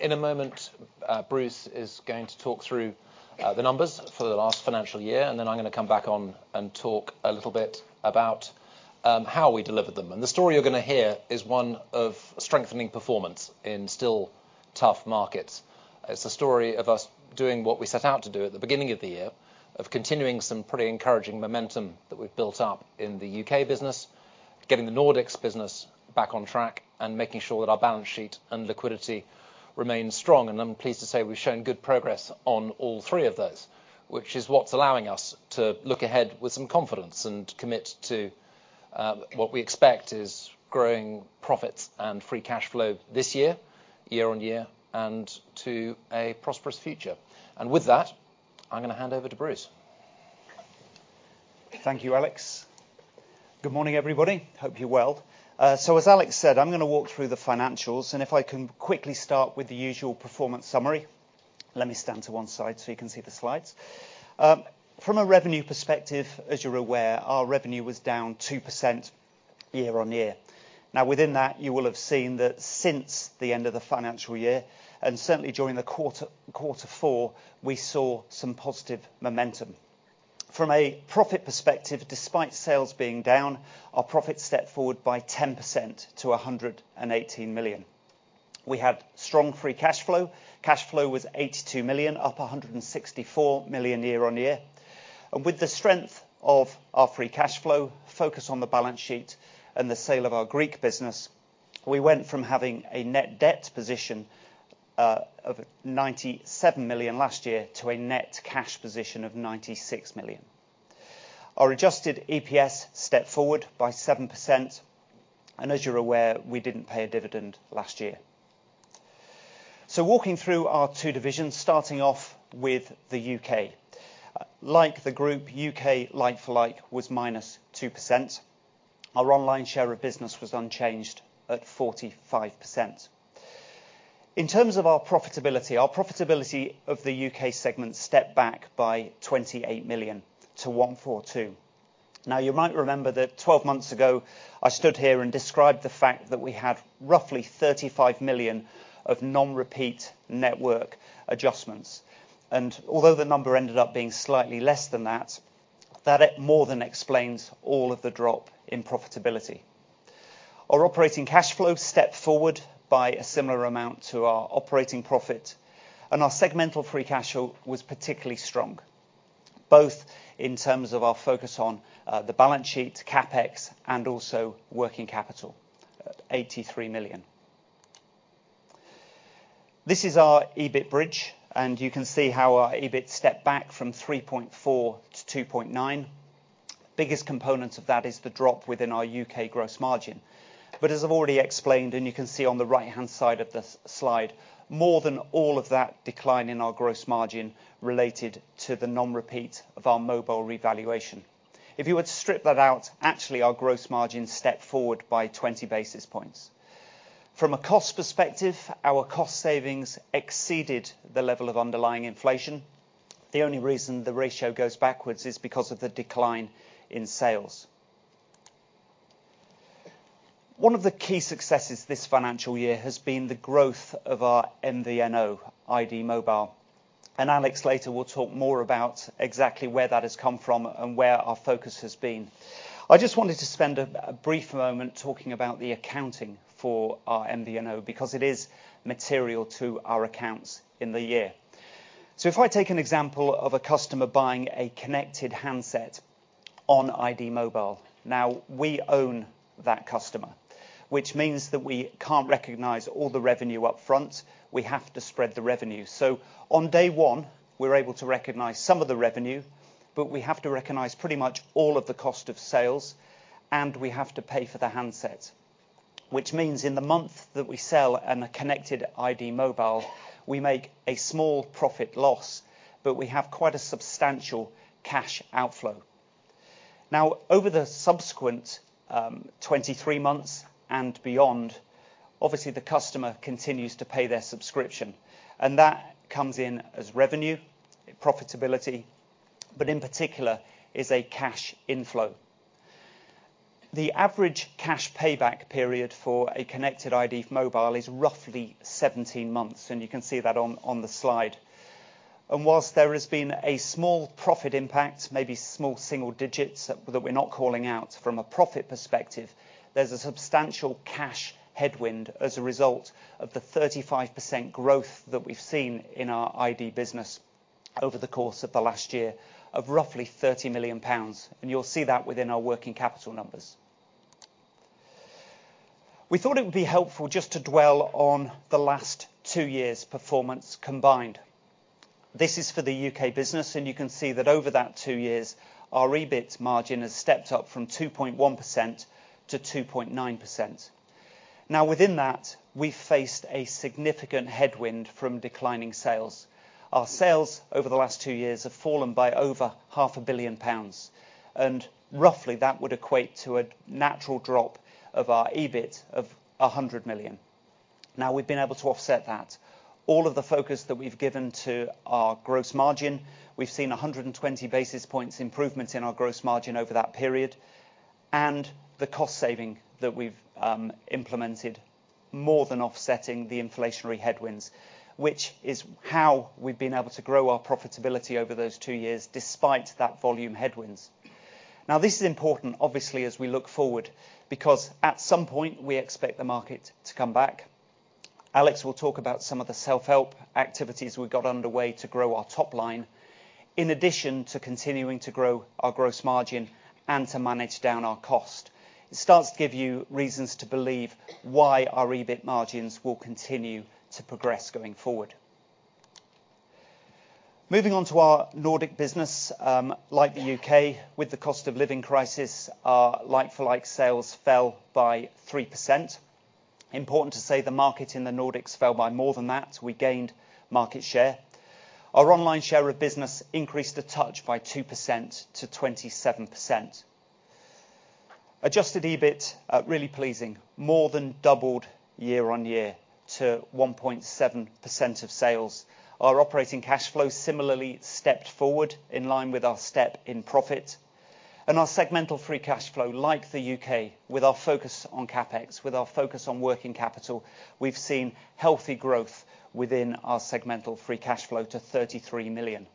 In a moment, Bruce is going to talk through the numbers for the last financial year, and then I'm going to come back on and talk a little bit about how we delivered them. The story you're going to hear is one of strengthening performance in still tough markets. It's a story of us doing what we set out to do at the beginning of the year, of continuing some pretty encouraging momentum that we've built up in the U.K. business, getting the Nordics business back on track, and making sure that our balance sheet and liquidity remain strong. I'm pleased to say we've shown good progress on all three of those, which is what's allowing us to look ahead with some confidence and commit to what we expect is growing profits and free cash flow this year, year on year, and to a prosperous future. With that, I'm going to hand over to Bruce. Thank you, Alex. Good morning, everybody. Hope you're well. So, as Alex said, I'm going to walk through the financials, and if I can quickly start with the usual performance summary, let me stand to one side so you can see the slides. From a revenue perspective, as you're aware, our revenue was down 2% year-on-year. Now, within that, you will have seen that since the end of the financial year, and certainly during the quarter four, we saw some positive momentum. From a profit perspective, despite sales being down, our profits stepped forward by 10% to 118 million. We had strong free cash flow. Cash flow was 82 million, up 164 million year-on-year. With the strength of our free cash flow, focus on the balance sheet and the sale of our Greek business, we went from having a net debt position of 97 million last year to a net cash position of 96 million. Our adjusted EPS stepped forward by 7%, and as you're aware, we didn't pay a dividend last year. Walking through our two divisions, starting off with the U.K. Like the group, U.K. like-for-like was -2%. Our online share of business was unchanged at 45%. In terms of our profitability, our profitability of the U.K. segment stepped back by 28 million to 142 million. Now, you might remember that 12 months ago, I stood here and described the fact that we had roughly 35 million of non-repeat network adjustments. Although the number ended up being slightly less than that, that more than explains all of the drop in profitability. Our operating cash flow stepped forward by a similar amount to our operating profit, and our segmental free cash flow was particularly strong, both in terms of our focus on the balance sheet, CapEx, and also working capital, 83 million. This is our EBIT bridge, and you can see how our EBIT stepped back from 3.4-2.9. Biggest components of that is the drop within our U.K. gross margin. But as I've already explained, and you can see on the right-hand side of the slide, more than all of that decline in our gross margin related to the non-repeat of our mobile revaluation. If you were to strip that out, actually, our gross margin stepped forward by 20 basis points. From a cost perspective, our cost savings exceeded the level of underlying inflation. The only reason the ratio goes backwards is because of the decline in sales. One of the key successes this financial year has been the growth of our MVNO, iD Mobile. And Alex later will talk more about exactly where that has come from and where our focus has been. I just wanted to spend a brief moment talking about the accounting for our MVNO because it is material to our accounts in the year. So, if I take an example of a customer buying a connected handset on iD Mobile, now we own that customer, which means that we can't recognize all the revenue upfront. We have to spread the revenue. So, on day one, we're able to recognize some of the revenue, but we have to recognize pretty much all of the cost of sales, and we have to pay for the handsets, which means in the month that we sell a connected iD Mobile, we make a small profit loss, but we have quite a substantial cash outflow. Now, over the subsequent 23 months and beyond, obviously, the customer continues to pay their subscription, and that comes in as revenue, profitability, but in particular, is a cash inflow. The average cash payback period for a connected iD Mobile is roughly 17 months, and you can see that on the slide. While there has been a small profit impact, maybe small single digits that we're not calling out from a profit perspective, there's a substantial cash headwind as a result of the 35% growth that we've seen in our iD business over the course of the last year of roughly 30 million pounds, and you'll see that within our working capital numbers. We thought it would be helpful just to dwell on the last two years' performance combined. This is for the U.K. business, and you can see that over that two years, our EBIT margin has stepped up from 2.1%-2.9%. Now, within that, we've faced a significant headwind from declining sales. Our sales over the last two years have fallen by over 500 million pounds, and roughly that would equate to a natural drop of our EBIT of 100 million. Now, we've been able to offset that. All of the focus that we've given to our gross margin, we've seen 120 basis points improvement in our gross margin over that period, and the cost saving that we've implemented more than offsetting the inflationary headwinds, which is how we've been able to grow our profitability over those two years despite that volume headwinds. Now, this is important, obviously, as we look forward because at some point, we expect the market to come back. Alex will talk about some of the self-help activities we got underway to grow our top line, in addition to continuing to grow our gross margin and to manage down our cost. It starts to give you reasons to believe why our EBIT margins will continue to progress going forward. Moving on to our Nordic business, like the U.K., with the cost of living crisis, our like-for-like sales fell by 3%. Important to say, the market in the Nordics fell by more than that. We gained market share. Our online share of business increased a touch by 2% to 27%. Adjusted EBIT, really pleasing, more than doubled year-on-year to 1.7% of sales. Our operating cash flow similarly stepped forward in line with our step in profit. And our segmental free cash flow, like the U.K., with our focus on CapEx, with our focus on working capital, we've seen healthy growth within our segmental free cash flow to 33 million.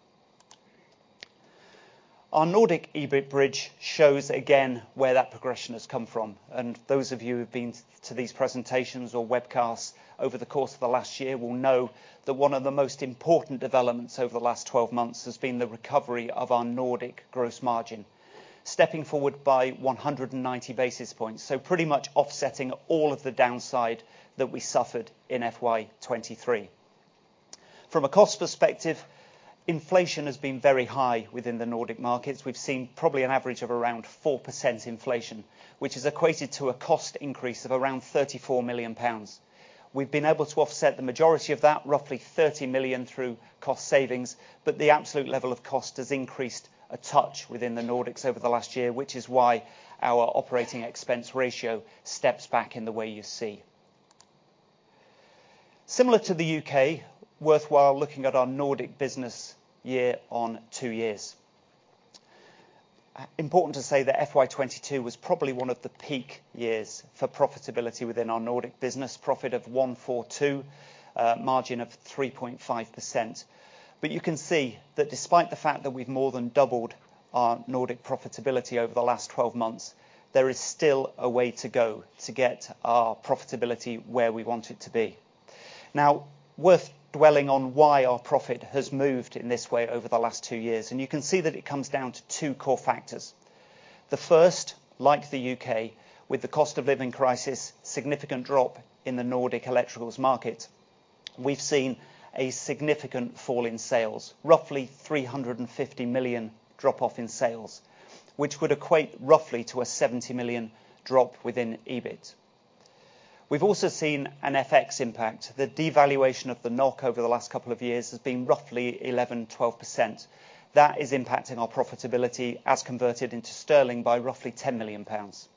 Our Nordic EBIT bridge shows again where that progression has come from. Those of you who've been to these presentations or webcasts over the course of the last year will know that one of the most important developments over the last 12 months has been the recovery of our Nordic gross margin, stepping forward by 190 basis points, so pretty much offsetting all of the downside that we suffered in FY23. From a cost perspective, inflation has been very high within the Nordic markets. We've seen probably an average of around 4% inflation, which is equated to a cost increase of around 34 million pounds. We've been able to offset the majority of that, roughly 30 million, through cost savings, but the absolute level of cost has increased a touch within the Nordics over the last year, which is why our operating expense ratio steps back in the way you see. Similar to the U.K., worthwhile looking at our Nordic business year-on-year two years. Important to say that FY22 was probably one of the peak years for profitability within our Nordic business, profit of 142 million, margin of 3.5%. But you can see that despite the fact that we've more than doubled our Nordic profitability over the last 12 months, there is still a way to go to get our profitability where we want it to be. Now, worth dwelling on why our profit has moved in this way over the last two years, and you can see that it comes down to two core factors. The first, like the U.K., with the cost of living crisis, significant drop in the Nordic electricals market. We've seen a significant fall in sales, roughly 350 million drop-off in sales, which would equate roughly to a 70 million drop within EBIT. We've also seen an FX impact. The devaluation of the NOK over the last couple of years has been roughly 11%-12%. That is impacting our profitability as converted into sterling by roughly 10 million pounds.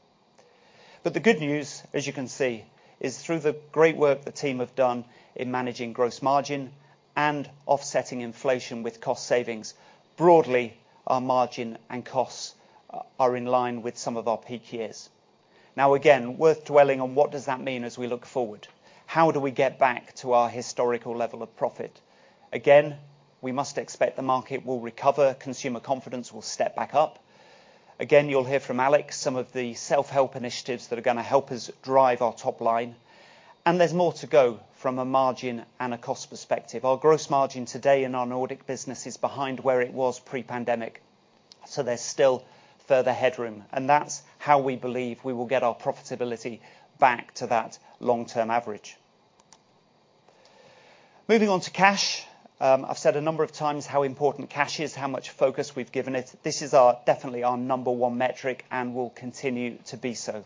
But the good news, as you can see, is through the great work the team have done in managing gross margin and offsetting inflation with cost savings, broadly, our margin and costs are in line with some of our peak years. Now, again, worth dwelling on what does that mean as we look forward. How do we get back to our historical level of profit? Again, we must expect the market will recover. Consumer confidence will step back up. Again, you'll hear from Alex some of the self-help initiatives that are going to help us drive our top line. And there's more to go from a margin and a cost perspective. Our gross margin today in our Nordic business is behind where it was pre-pandemic, so there's still further headroom. That's how we believe we will get our profitability back to that long-term average. Moving on to cash, I've said a number of times how important cash is, how much focus we've given it. This is definitely our number one metric and will continue to be so.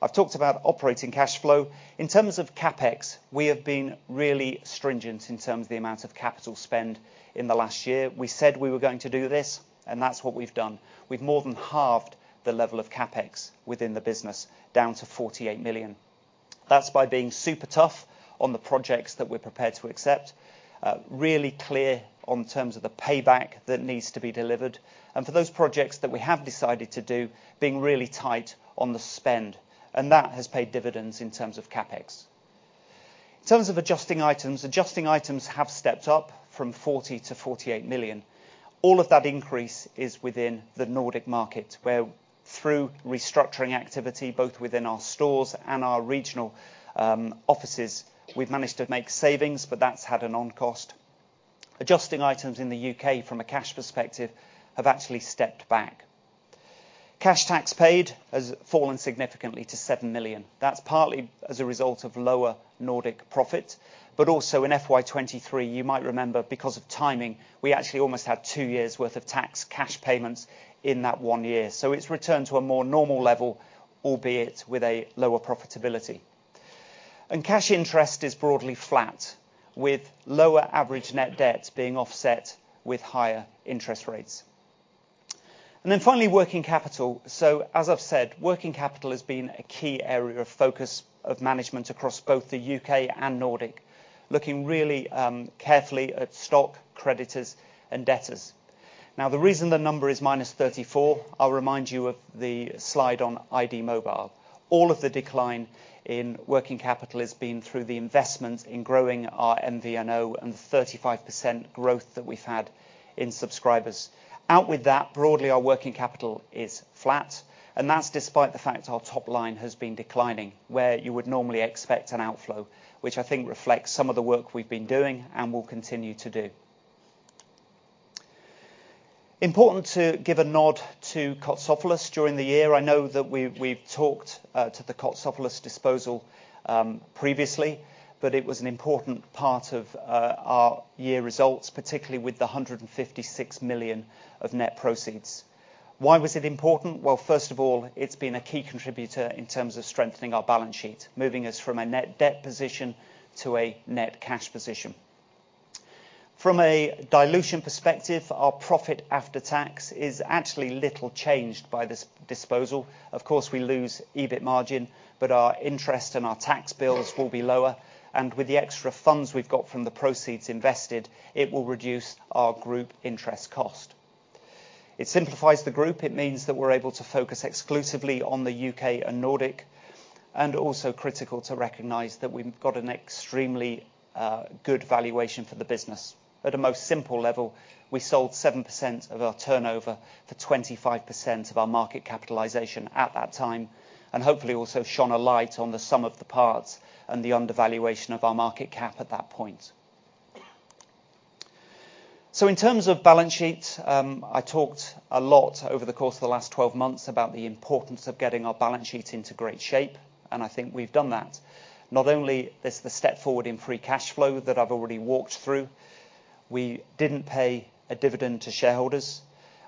I've talked about operating cash flow. In terms of CapEx, we have been really stringent in terms of the amount of capital spend in the last year. We said we were going to do this, and that's what we've done. We've more than halved the level of CapEx within the business down to 48 million. That's by being super tough on the projects that we're prepared to accept, really clear on terms of the payback that needs to be delivered, and for those projects that we have decided to do, being really tight on the spend. That has paid dividends in terms of CapEx. In terms of adjusting items, adjusting items have stepped up from 40 million to 48 million. All of that increase is within the Nordic market, where through restructuring activity, both within our stores and our regional offices, we've managed to make savings, but that's had an on-cost. Adjusting items in the U.K. from a cash perspective have actually stepped back. Cash tax paid has fallen significantly to 7 million. That's partly as a result of lower Nordic profits, but also in FY 2023, you might remember, because of timing, we actually almost had two years' worth of tax cash payments in that one year. So it's returned to a more normal level, albeit with a lower profitability. And cash interest is broadly flat, with lower average net debts being offset with higher interest rates. And then finally, working capital. So, as I've said, working capital has been a key area of focus of management across both the U.K. and Nordic, looking really carefully at stock creditors and debtors. Now, the reason the number is -34, I'll remind you of the slide on iD Mobile. All of the decline in working capital has been through the investment in growing our MVNO and the 35% growth that we've had in subscribers. Out with that, broadly, our working capital is flat, and that's despite the fact our top line has been declining, where you would normally expect an outflow, which I think reflects some of the work we've been doing and will continue to do. Important to give a nod to Kotsovolos during the year. I know that we've talked to the Kotsovolos disposal previously, but it was an important part of our year results, particularly with the 156 million of net proceeds. Why was it important? Well, first of all, it's been a key contributor in terms of strengthening our balance sheet, moving us from a net debt position to a net cash position. From a dilution perspective, our profit after tax is actually little changed by this disposal. Of course, we lose EBIT margin, but our interest and our tax bills will be lower, and with the extra funds we've got from the proceeds invested, it will reduce our group interest cost. It simplifies the group. It means that we're able to focus exclusively on the U.K. and Nordic, and also critical to recognize that we've got an extremely good valuation for the business. At a most simple level, we sold 7% of our turnover for 25% of our market capitalization at that time, and hopefully also shone a light on the sum of the parts and the undervaluation of our market cap at that point. So, in terms of balance sheet, I talked a lot over the course of the last 12 months about the importance of getting our balance sheet into great shape, and I think we've done that. Not only is the step forward in free cash flow that I've already walked through, we didn't pay a dividend to shareholders.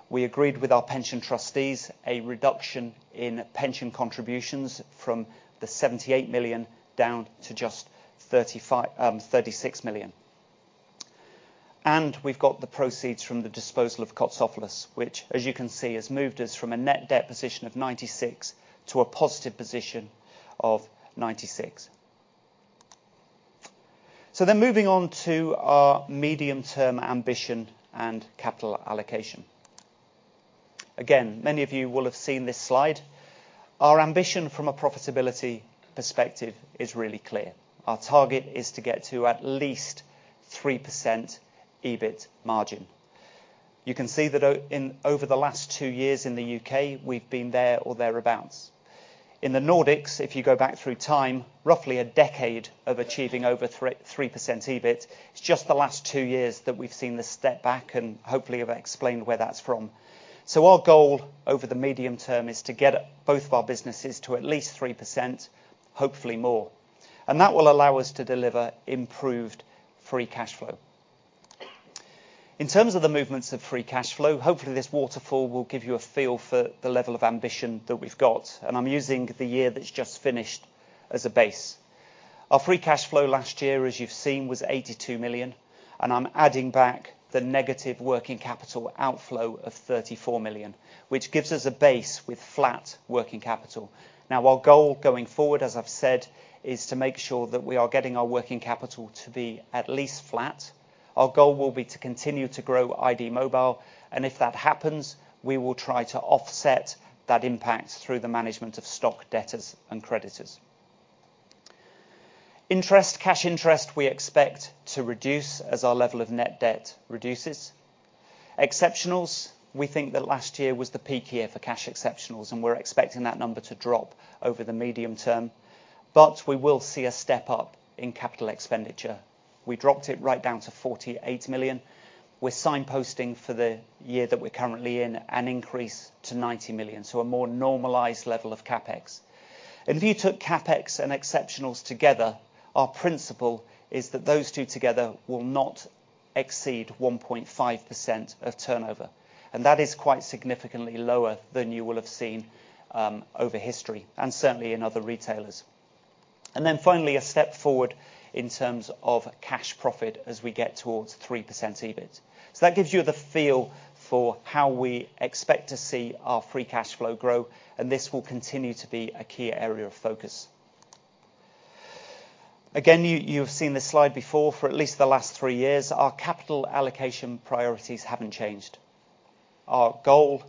We agreed with our pension trustees a reduction in pension contributions from 78 million down to just 36 million. And we've got the proceeds from the disposal of Kotsovolos, which, as you can see, has moved us from a net debt position of 96 million to a positive position of 96 million. So then, moving on to our medium-term ambition and capital allocation. Again, many of you will have seen this slide. Our ambition from a profitability perspective is really clear. Our target is to get to at least 3% EBIT margin. You can see that over the last two years in the U.K., we've been there or thereabouts. In the Nordics, if you go back through time, roughly a decade of achieving over 3% EBIT, it's just the last two years that we've seen the step back, and hopefully I've explained where that's from. So our goal over the medium term is to get both of our businesses to at least 3%, hopefully more. That will allow us to deliver improved free cash flow. In terms of the movements of free cash flow, hopefully this waterfall will give you a feel for the level of ambition that we've got, and I'm using the year that's just finished as a base. Our free cash flow last year, as you've seen, was 82 million, and I'm adding back the negative working capital outflow of 34 million, which gives us a base with flat working capital. Now, our goal going forward, as I've said, is to make sure that we are getting our working capital to be at least flat. Our goal will be to continue to grow iD Mobile, and if that happens, we will try to offset that impact through the management of stock debtors and creditors. Interest, cash interest, we expect to reduce as our level of net debt reduces. Exceptionals, we think that last year was the peak year for cash exceptionals, and we're expecting that number to drop over the medium term, but we will see a step up in capital expenditure. We dropped it right down to 48 million. We're signposting for the year that we're currently in an increase to 90 million, so a more normalized level of CapEx. And if you took CapEx and exceptionals together, our principle is that those two together will not exceed 1.5% of turnover, and that is quite significantly lower than you will have seen over history and certainly in other retailers. Then finally, a step forward in terms of cash profit as we get towards 3% EBIT. That gives you the feel for how we expect to see our free cash flow grow, and this will continue to be a key area of focus. Again, you've seen this slide before for at least the last three years. Our capital allocation priorities haven't changed. Our goal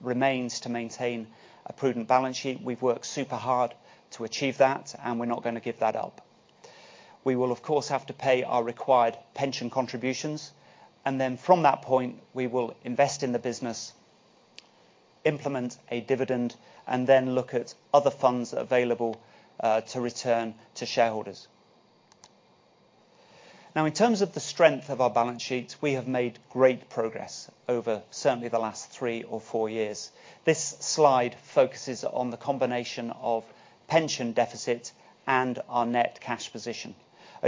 remains to maintain a prudent balance sheet. We've worked super hard to achieve that, and we're not going to give that up. We will, of course, have to pay our required pension contributions, and then from that point, we will invest in the business, implement a dividend, and then look at other funds available to return to shareholders. Now, in terms of the strength of our balance sheet, we have made great progress over certainly the last three or four years. This slide focuses on the combination of pension deficit and our net cash position.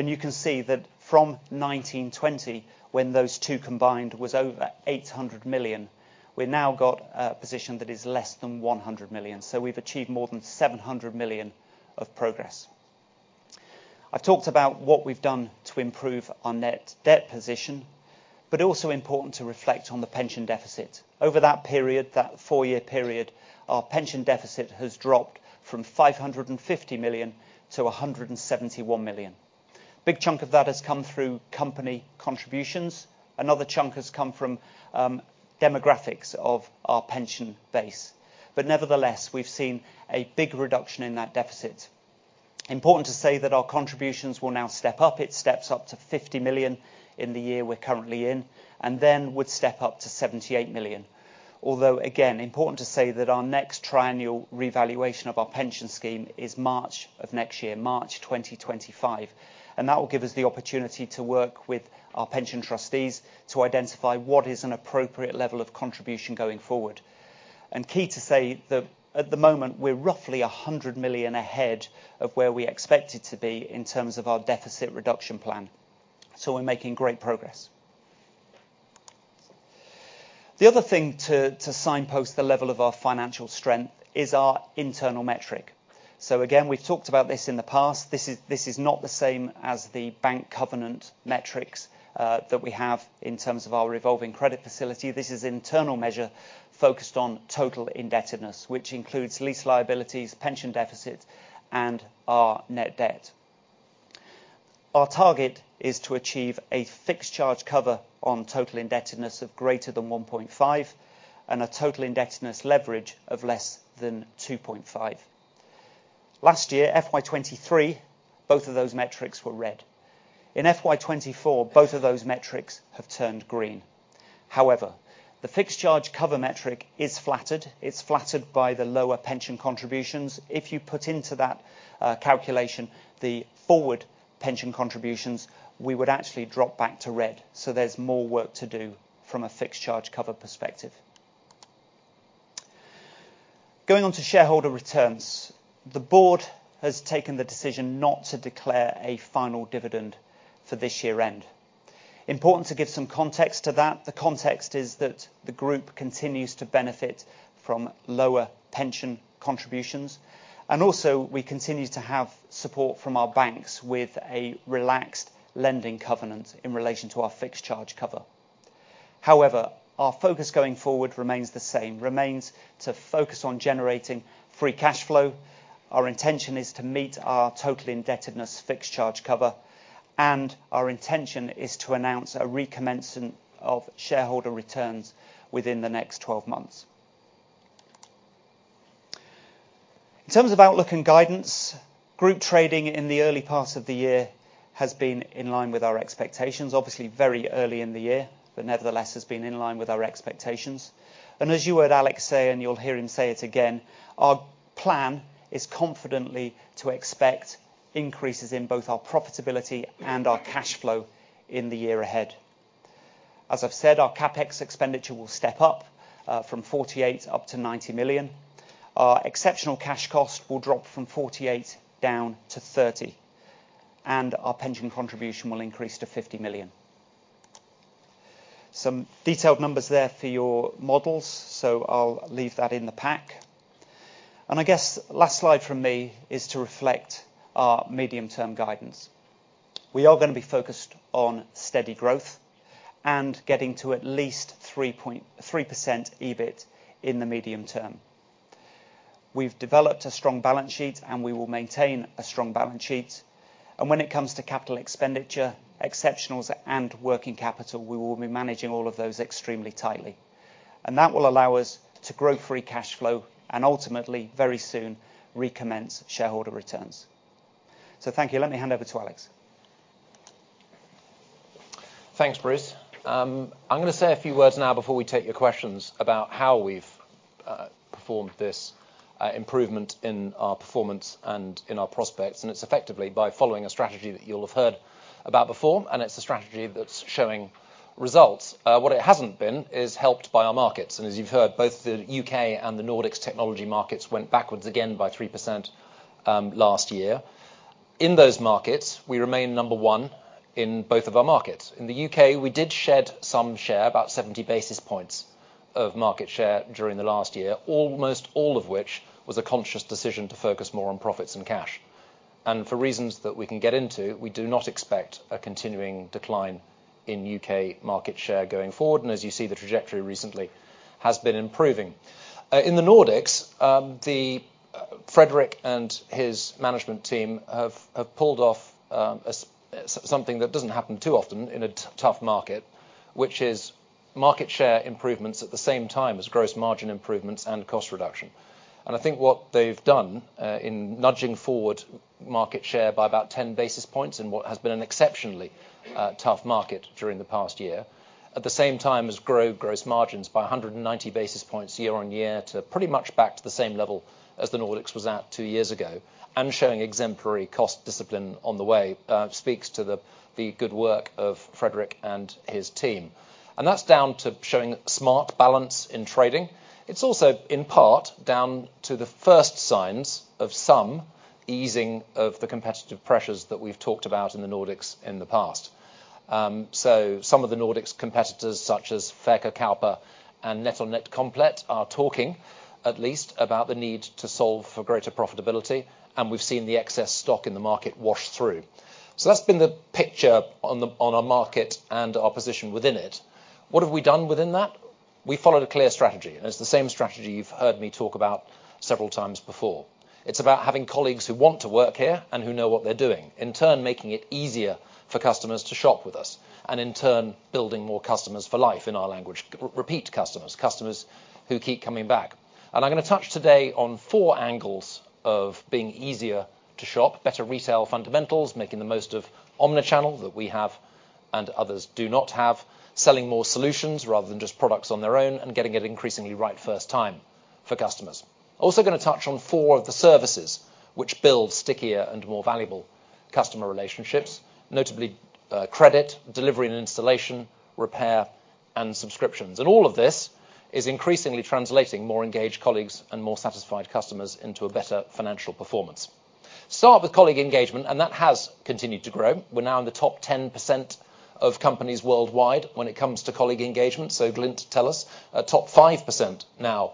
You can see that from 2019, 2020, when those two combined was over 800 million, we've now got a position that is less than 100 million. So we've achieved more than 700 million of progress. I've talked about what we've done to improve our net debt position, but also important to reflect on the pension deficit. Over that period, that four-year period, our pension deficit has dropped from 550 million to 171 million. A big chunk of that has come through company contributions. Another chunk has come from demographics of our pension base. But nevertheless, we've seen a big reduction in that deficit. Important to say that our contributions will now step up. It steps up to 50 million in the year we're currently in and then would step up to 78 million. Although, again, important to say that our next triennial revaluation of our pension scheme is March of next year, March 2025, and that will give us the opportunity to work with our pension trustees to identify what is an appropriate level of contribution going forward. And key to say that at the moment, we're roughly 100 million ahead of where we expected to be in terms of our deficit reduction plan. So we're making great progress. The other thing to signpost the level of our financial strength is our internal metric. So again, we've talked about this in the past. This is not the same as the bank covenant metrics that we have in terms of our revolving credit facility. This is an internal measure focused on total indebtedness, which includes lease liabilities, pension deficit, and our net debt. Our target is to achieve a fixed charge cover on total indebtedness of greater than 1.5 and a total indebtedness leverage of less than 2.5. Last year, FY23, both of those metrics were red. In FY24, both of those metrics have turned green. However, the fixed charge cover metric is flattered. It's flattered by the lower pension contributions. If you put into that calculation the forward pension contributions, we would actually drop back to red. So there's more work to do from a fixed charge cover perspective. Going on to shareholder returns, the board has taken the decision not to declare a final dividend for this year-end. Important to give some context to that. The context is that the group continues to benefit from lower pension contributions, and also we continue to have support from our banks with a relaxed lending covenant in relation to our fixed charge cover. However, our focus going forward remains the same, remains to focus on generating free cash flow. Our intention is to meet our total indebtedness fixed charge cover, and our intention is to announce a recommencement of shareholder returns within the next 12 months. In terms of outlook and guidance, group trading in the early part of the year has been in line with our expectations, obviously very early in the year, but nevertheless has been in line with our expectations. As you heard Alex say, and you'll hear him say it again, our plan is confidently to expect increases in both our profitability and our cash flow in the year ahead. As I've said, our CapEx expenditure will step up from 48 million up to 90 million. Our exceptional cash cost will drop from 48 million down to 30 million, and our pension contribution will increase to 50 million. Some detailed numbers there for your models, so I'll leave that in the pack. I guess last slide from me is to reflect our medium-term guidance. We are going to be focused on steady growth and getting to at least 3% EBIT in the medium term. We've developed a strong balance sheet, and we will maintain a strong balance sheet. When it comes to capital expenditure, exceptionals, and working capital, we will be managing all of those extremely tightly. That will allow us to grow free cash flow and ultimately, very soon, recommence shareholder returns. Thank you. Let me hand over to Alex. Thanks, Bruce. I'm going to say a few words now before we take your questions about how we've performed this improvement in our performance and in our prospects, and it's effectively by following a strategy that you'll have heard about before, and it's a strategy that's showing results. What it hasn't been is helped by our markets. As you've heard, both the U.K. and the Nordics technology markets went backwards again by 3% last year. In those markets, we remain number one in both of our markets. In the U.K., we did shed some share, about 70 basis points of market share during the last year, almost all of which was a conscious decision to focus more on profits and cash. For reasons that we can get into, we do not expect a continuing decline in U.K. market share going forward, and as you see, the trajectory recently has been improving. In the Nordics, Fredrik and his management team have pulled off something that doesn't happen too often in a tough market, which is market share improvements at the same time as gross margin improvements and cost reduction. And I think what they've done in nudging forward market share by about 10 basis points in what has been an exceptionally tough market during the past year, at the same time as growing gross margins by 190 basis points year-on-year to pretty much back to the same level as the Nordics was at two years ago, and showing exemplary cost discipline on the way speaks to the good work of Fredrik and his team. That's down to showing smart balance in trading. It's also in part down to the first signs of some easing of the competitive pressures that we've talked about in the Nordics in the past. So some of the Nordics' competitors, such as Elgiganten and NetOnNet, are talking at least about the need to solve for greater profitability, and we've seen the excess stock in the market wash through. So that's been the picture on our market and our position within it. What have we done within that? We followed a clear strategy, and it's the same strategy you've heard me talk about several times before. It's about having colleagues who want to work here and who know what they're doing, in turn making it easier for customers to shop with us, and in turn building more customers for life in our language, repeat customers, customers who keep coming back. I'm going to touch today on four angles of being easier to shop, better retail fundamentals, making the most of omnichannel that we have and others do not have, selling more solutions rather than just products on their own, and getting it increasingly right first time for customers. Also going to touch on four of the services which build stickier and more valuable customer relationships, notably credit, delivery and installation, repair, and subscriptions. All of this is increasingly translating more engaged colleagues and more satisfied customers into a better financial performance. Start with colleague engagement, and that has continued to grow. We're now in the top 10% of companies worldwide when it comes to colleague engagement. So Glint, tell us top 5% now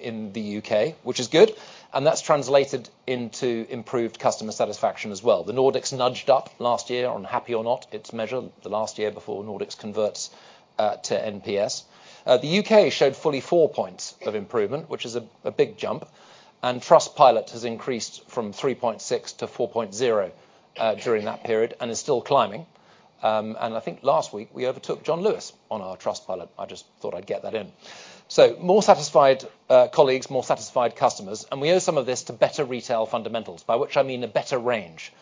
in the U.K., which is good, and that's translated into improved customer satisfaction as well. The Nordics nudged up last year on HappyOrNot, its measure, the last year before Nordics converts to NPS. The U.K. showed fully four points of improvement, which is a big jump, and Trustpilot has increased from 3.6 to 4.0 during that period and is still climbing. And I think last week we overtook John Lewis on our Trustpilot. I just thought I'd get that in. So more satisfied colleagues, more satisfied customers, and we owe some of this to better retail fundamentals, by which I mean a better range,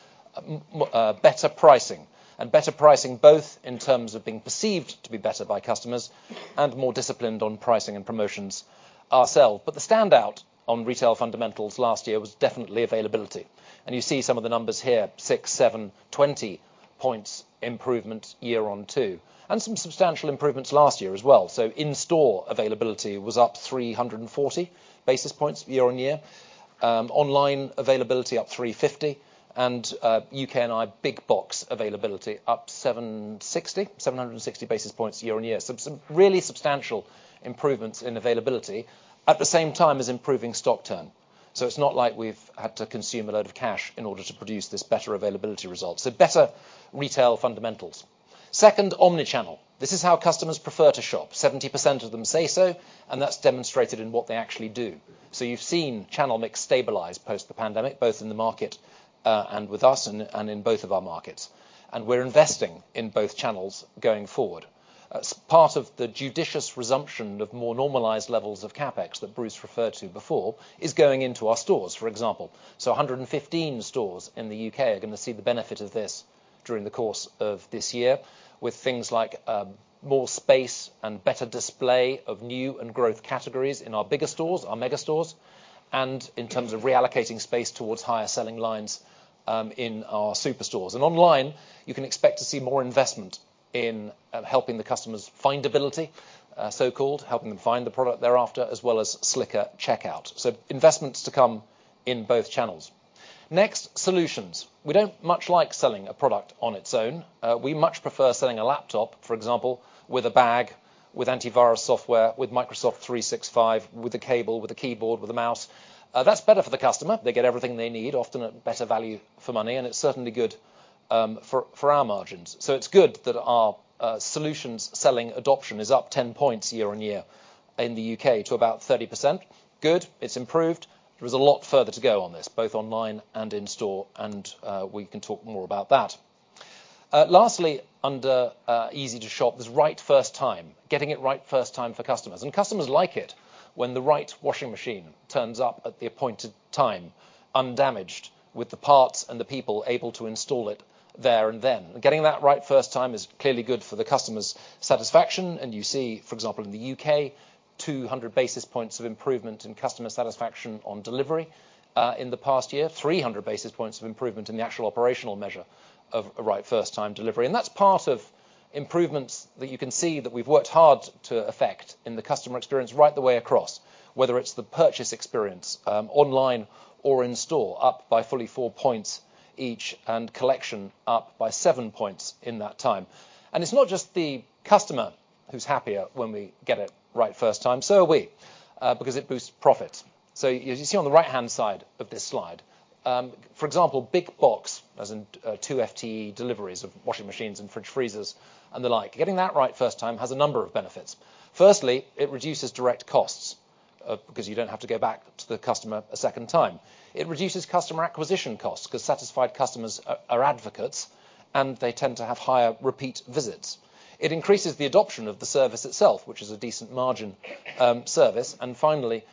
better pricing, and better pricing both in terms of being perceived to be better by customers and more disciplined on pricing and promotions ourselves. But the standout on retail fundamentals last year was definitely availability. And you see some of the numbers here: 6, 7, 20 points improvement year on year, and some substantial improvements last year as well. So in-store availability was up 340 basis points year on year. Online availability up 350, and U.K. and Ireland big box availability up 760, 760 basis points year on year. So some really substantial improvements in availability at the same time as improving stock turn. So it's not like we've had to consume a load of cash in order to produce this better availability result. So better retail fundamentals. Second, omnichannel. This is how customers prefer to shop. 70% of them say so, and that's demonstrated in what they actually do. So you've seen channel mix stabilize post the pandemic, both in the market and with us and in both of our markets. And we're investing in both channels going forward. Part of the judicious resumption of more normalized levels of CapEx that Bruce referred to before is going into our stores, for example. So 115 stores in the U.K. are going to see the benefit of this during the course of this year with things like more space and better display of new and growth categories in our bigger stores, our mega stores, and in terms of reallocating space towards higher selling lines in our superstores. Online, you can expect to see more investment in helping the customers findability, so-called, helping them find the product thereafter, as well as slicker checkout. Investments to come in both channels. Next, solutions. We don't much like selling a product on its own. We much prefer selling a laptop, for example, with a bag, with antivirus software, with Microsoft 365, with a cable, with a keyboard, with a mouse. That's better for the customer. They get everything they need, often at better value for money, and it's certainly good for our margins. So it's good that our solutions selling adoption is up 10 points year-over-year in the U.K. to about 30%. Good. It's improved. There is a lot further to go on this, both online and in-store, and we can talk more about that. Lastly, under easy to shop, there's right first time, getting it right first time for customers. And customers like it when the right washing machine turns up at the appointed time undamaged, with the parts and the people able to install it there and then. Getting that right first time is clearly good for the customer's satisfaction, and you see, for example, in the U.K., 200 basis points of improvement in customer satisfaction on delivery in the past year, 300 basis points of improvement in the actual operational measure of right first time delivery. And that's part of improvements that you can see that we've worked hard to affect in the customer experience right the way across, whether it's the purchase experience online or in-store, up by fully 4 points each, and collection up by 7 points in that time. It's not just the customer who's happier when we get it right first time. So are we, because it boosts profits. So as you see on the right-hand side of this slide, for example, big box, as in 2 FTE deliveries of washing machines and fridge freezers and the like, getting that right first time has a number of benefits. Firstly, it reduces direct costs because you don't have to go back to the customer a second time. It reduces customer acquisition costs because satisfied customers are advocates, and they tend to have higher repeat visits. It increases the adoption of the service itself, which is a decent margin service. And finally,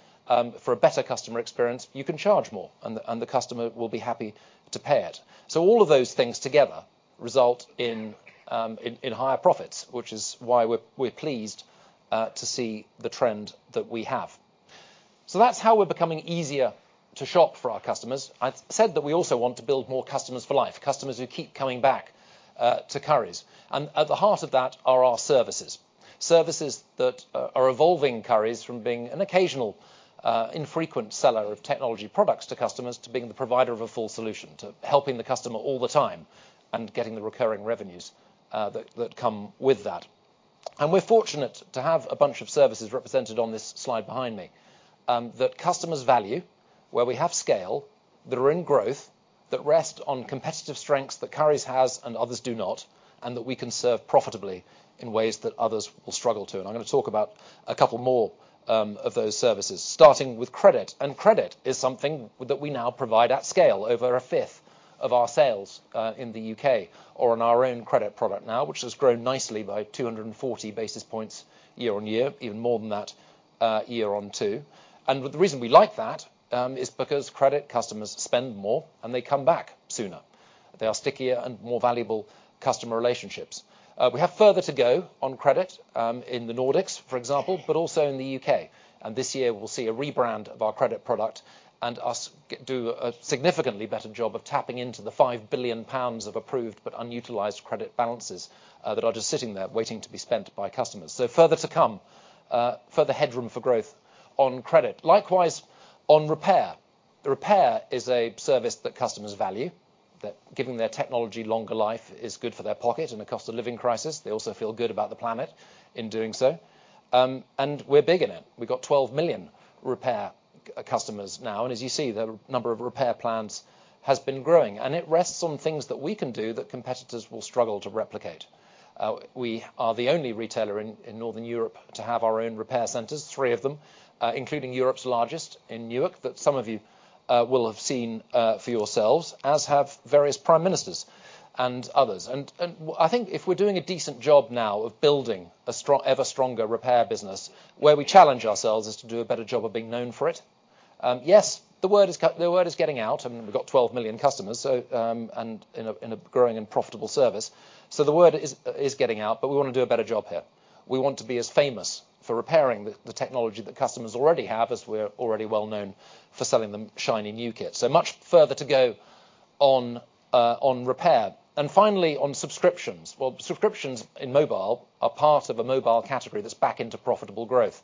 for a better customer experience, you can charge more, and the customer will be happy to pay it. So all of those things together result in higher profits, which is why we're pleased to see the trend that we have. So that's how we're becoming easier to shop for our customers. I said that we also want to build more customers for life, customers who keep coming back to Currys. And at the heart of that are our services, services that are evolving Currys from being an occasional infrequent seller of technology products to customers to being the provider of a full solution to helping the customer all the time and getting the recurring revenues that come with that. We're fortunate to have a bunch of services represented on this slide behind me that customers value, where we have scale, that are in growth, that rest on competitive strengths that Currys has and others do not, and that we can serve profitably in ways that others will struggle to. I'm going to talk about a couple more of those services, starting with credit. Credit is something that we now provide at scale, over a fifth of our sales in the U.K. or on our own credit product now, which has grown nicely by 240 basis points year-on-year, even more than that year on two. The reason we like that is because credit customers spend more, and they come back sooner. They are stickier and more valuable customer relationships. We have further to go on credit in the Nordics, for example, but also in the U.K. And this year, we'll see a rebrand of our credit product and us do a significantly better job of tapping into the 5 billion pounds of approved but unutilized credit balances that are just sitting there waiting to be spent by customers. So further to come, further headroom for growth on credit. Likewise, on repair. Repair is a service that customers value, that giving their technology longer life is good for their pocket and across the living crisis. They also feel good about the planet in doing so. And we're big in it. We've got 12 million repair customers now. And as you see, the number of repair plans has been growing. And it rests on things that we can do that competitors will struggle to replicate. We are the only retailer in Northern Europe to have our own repair centers, three of them, including Europe's largest in Newark that some of you will have seen for yourselves, as have various prime ministers and others. And I think if we're doing a decent job now of building an ever stronger repair business, where we challenge ourselves is to do a better job of being known for it. Yes, the word is getting out, and we've got 12 million customers and in a growing and profitable service. So the word is getting out, but we want to do a better job here. We want to be as famous for repairing the technology that customers already have as we're already well known for selling them shiny new kits. So much further to go on repair. And finally, on subscriptions. Well, subscriptions in mobile are part of a mobile category that's back into profitable growth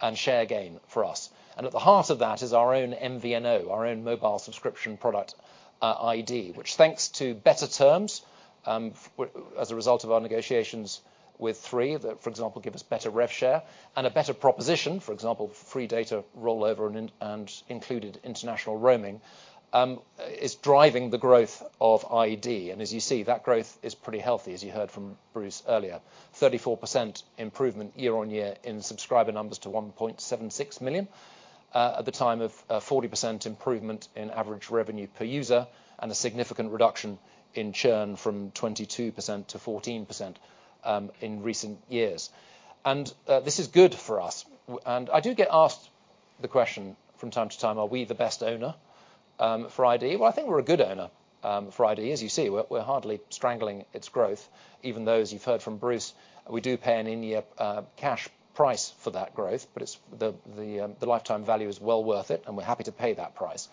and share gain for us. And at the heart of that is our own MVNO, our own mobile subscription product iD, which thanks to better terms as a result of our negotiations with Three, that, for example, give us better rev share and a better proposition, for example, free data rollover and included international roaming, is driving the growth of iD. And as you see, that growth is pretty healthy, as you heard from Bruce earlier, 34% improvement year-on-year in subscriber numbers to 1.76 million at the time of 40% improvement in average revenue per user and a significant reduction in churn from 22% to 14% in recent years. And this is good for us. And I do get asked the question from time to time, are we the best owner for iD? Well, I think we're a good owner for iD. As you see, we're hardly strangling its growth, even though, as you've heard from Bruce, we do pay an in-year cash price for that growth, but the lifetime value is well worth it, and we're happy to pay that price.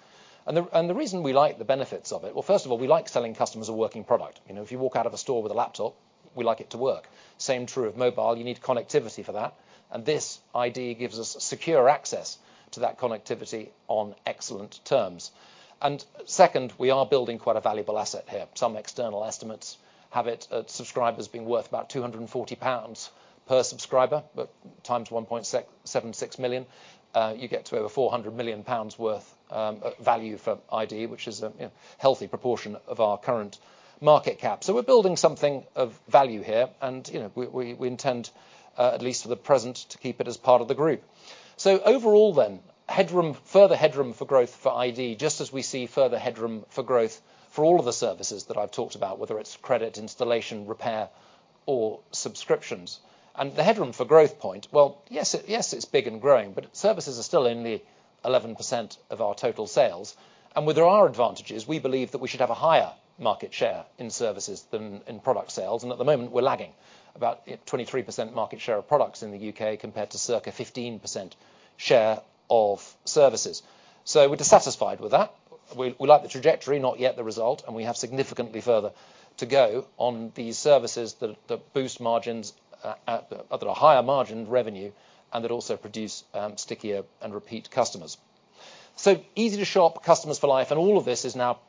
And the reason we like the benefits of it, well, first of all, we like selling customers a working product. If you walk out of a store with a laptop, we like it to work. Same true of mobile. You need connectivity for that. And this iD gives us secure access to that connectivity on excellent terms. And second, we are building quite a valuable asset here. Some external estimates have it subscribers being worth about 240 pounds per subscriber, but times 1.76 million, you get to over 400 million pounds worth of value for iD, which is a healthy proportion of our current market cap. So we're building something of value here, and we intend, at least for the present, to keep it as part of the group. So overall then, further headroom for growth for iD, just as we see further headroom for growth for all of the services that I've talked about, whether it's credit, installation, repair, or subscriptions. And the headroom for growth point, well, yes, it's big and growing, but services are still in the 11% of our total sales. And where there are advantages, we believe that we should have a higher market share in services than in product sales. And at the moment, we're lagging about 23% market share of products in the U.K. compared to circa 15% share of services. So we're dissatisfied with that. We like the trajectory, not yet the result, and we have significantly further to go on these services that boost margins that are higher margin revenue and that also produce stickier and repeat customers. So easy to shop, customers for life, and all of this is now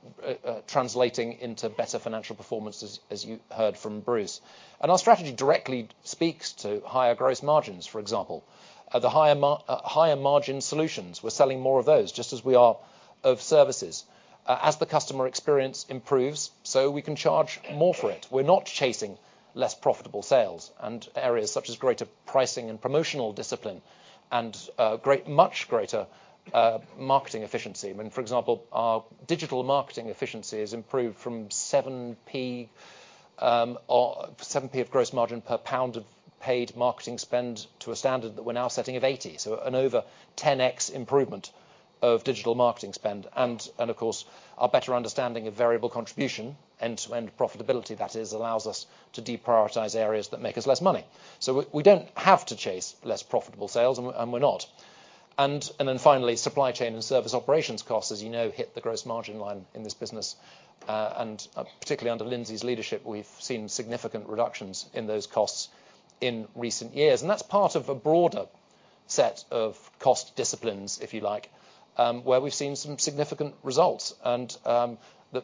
translating into better financial performance, as you heard from Bruce. And our strategy directly speaks to higher gross margins, for example. The higher margin solutions, we're selling more of those, just as we are of services. As the customer experience improves, so we can charge more for it. We're not chasing less profitable sales and areas such as greater pricing and promotional discipline and much greater marketing efficiency. I mean, for example, our digital marketing efficiency has improved from 7p of gross margin per GBP of paid marketing spend to a standard that we're now setting of 80. So an over 10x improvement of digital marketing spend. And of course, our better understanding of variable contribution, end-to-end profitability, that is, allows us to deprioritize areas that make us less money. So we don't have to chase less profitable sales, and we're not. And then finally, supply chain and service operations costs, as you know, hit the gross margin line in this business. And particularly under Lindsay's leadership, we've seen significant reductions in those costs in recent years. And that's part of a broader set of cost disciplines, if you like, where we've seen some significant results. And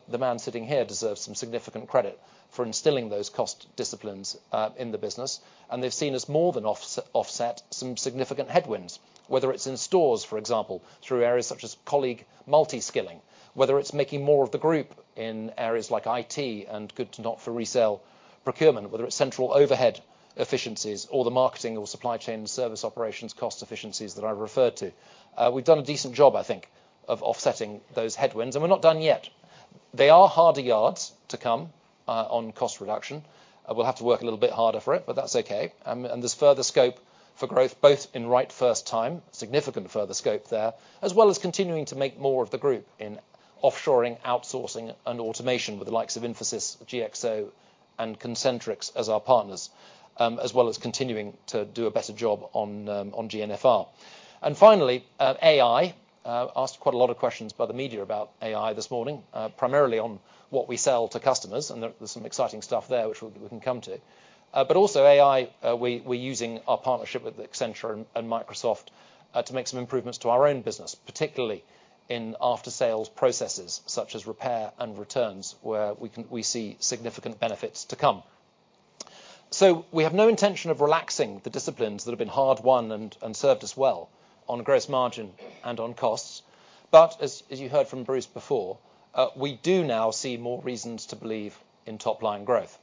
the man sitting here deserves some significant credit for instilling those cost disciplines in the business. And they've seen us more than offset some significant headwinds, whether it's in stores, for example, through areas such as colleague multi-skilling, whether it's making more of the group in areas like IT and goods not for resale procurement, whether it's central overhead efficiencies or the marketing or supply chain service operations cost efficiencies that I referred to. We've done a decent job, I think, of offsetting those headwinds. And we're not done yet. There are harder yards to come on cost reduction. We'll have to work a little bit harder for it, but that's okay. And there's further scope for growth, both in right first time, significant further scope there, as well as continuing to make more of the group in offshoring, outsourcing, and automation with the likes of Infosys, GXO, and Concentrix as our partners, as well as continuing to do a better job on GNFR. Finally, AI. I asked quite a lot of questions by the media about AI this morning, primarily on what we sell to customers. There's some exciting stuff there, which we can come to. Also AI, we're using our partnership with Accenture and Microsoft to make some improvements to our own business, particularly in after-sales processes such as repair and returns, where we see significant benefits to come. We have no intention of relaxing the disciplines that have been hard-won and served us well on gross margin and on costs. As you heard from Bruce before, we do now see more reasons to believe in top-line growth.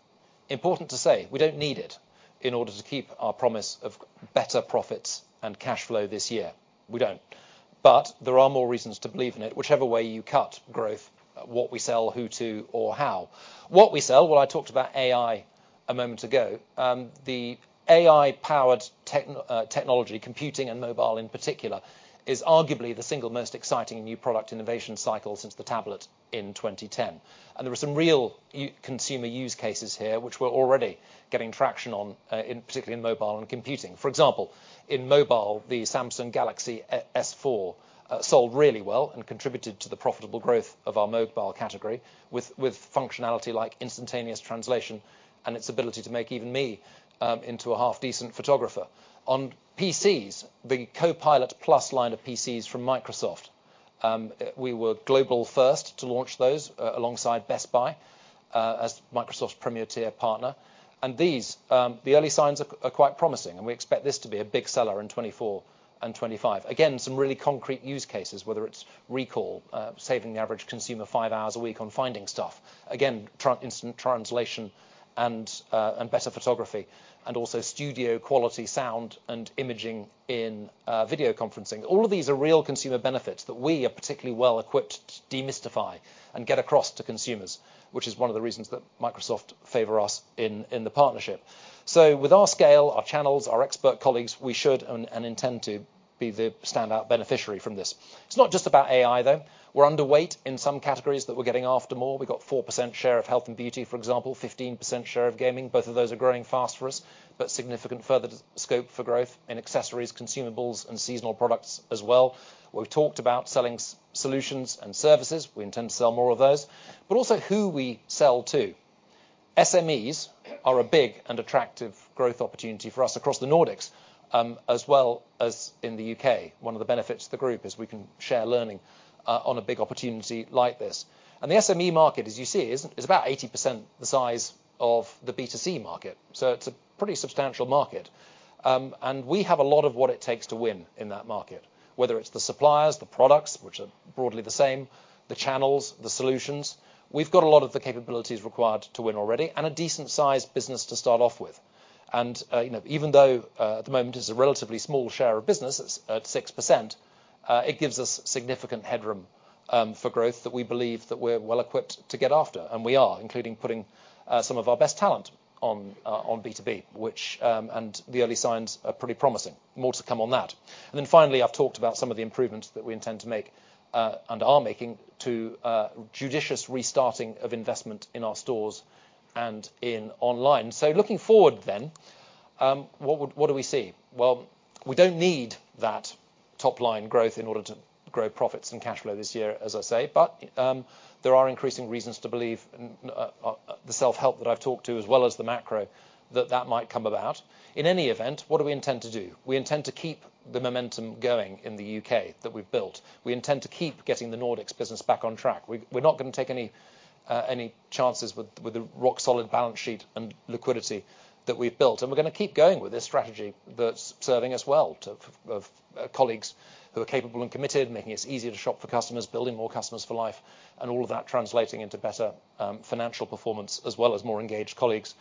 Important to say, we don't need it in order to keep our promise of better profits and cash flow this year. We don't. But there are more reasons to believe in it, whichever way you cut growth, what we sell, who to, or how. What we sell, well, I talked about AI a moment ago. The AI-powered technology, computing and mobile in particular, is arguably the single most exciting new product innovation cycle since the tablet in 2010. And there were some real consumer use cases here, which we're already getting traction on, particularly in mobile and computing. For example, in mobile, the Samsung Galaxy S4 sold really well and contributed to the profitable growth of our mobile category with functionality like instantaneous translation and its ability to make even me into a half-decent photographer. On PCs, the Copilot+ PC line from Microsoft, we were global first to launch those alongside Best Buy as Microsoft's premier tier partner. The early signs are quite promising, and we expect this to be a big seller in 2024 and 2025. Again, some really concrete use cases, whether it's recall, saving the average consumer five hours a week on finding stuff, again, instant translation and better photography, and also studio quality sound and imaging in video conferencing. All of these are real consumer benefits that we are particularly well equipped to demystify and get across to consumers, which is one of the reasons that Microsoft favors us in the partnership. So with our scale, our channels, our expert colleagues, we should and intend to be the standout beneficiary from this. It's not just about AI, though. We're underweight in some categories that we're getting after more. We've got 4% share of health and beauty, for example, 15% share of gaming. Both of those are growing fast for us, but significant further scope for growth in accessories, consumables, and seasonal products as well. We've talked about selling solutions and services. We intend to sell more of those, but also who we sell to. SMEs are a big and attractive growth opportunity for us across the Nordics, as well as in the U.K. One of the benefits of the group is we can share learning on a big opportunity like this. The SME market, as you see, is about 80% the size of the B2C market. So it's a pretty substantial market. We have a lot of what it takes to win in that market, whether it's the suppliers, the products, which are broadly the same, the channels, the solutions. We've got a lot of the capabilities required to win already and a decent-sized business to start off with. And even though at the moment it's a relatively small share of business at 6%, it gives us significant headroom for growth that we believe that we're well equipped to get after. And we are, including putting some of our best talent on B2B, which the early signs are pretty promising. More to come on that. And then finally, I've talked about some of the improvements that we intend to make and are making to judicious restarting of investment in our stores and in online. So looking forward then, what do we see? Well, we don't need that top-line growth in order to grow profits and cash flow this year, as I say. But there are increasing reasons to believe the self-help that I've talked to, as well as the macro, that that might come about. In any event, what do we intend to do? We intend to keep the momentum going in the U.K. that we've built. We intend to keep getting the Nordics business back on track. We're not going to take any chances with the rock-solid balance sheet and liquidity that we've built. And we're going to keep going with this strategy that's serving us well to colleagues who are capable and committed, making us easier to shop for customers, building more customers for life, and all of that translating into better financial performance, as well as more engaged colleagues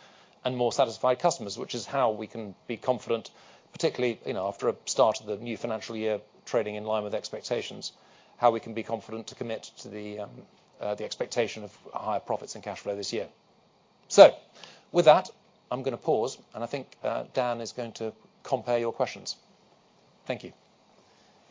and more satisfied customers, which is how we can be confident, particularly after a start of the new financial year trading in line with expectations, how we can be confident to commit to the expectation of higher profits and cash flow this year. So with that, I'm going to pause, and I think Dan is going to compare your questions. Thank you.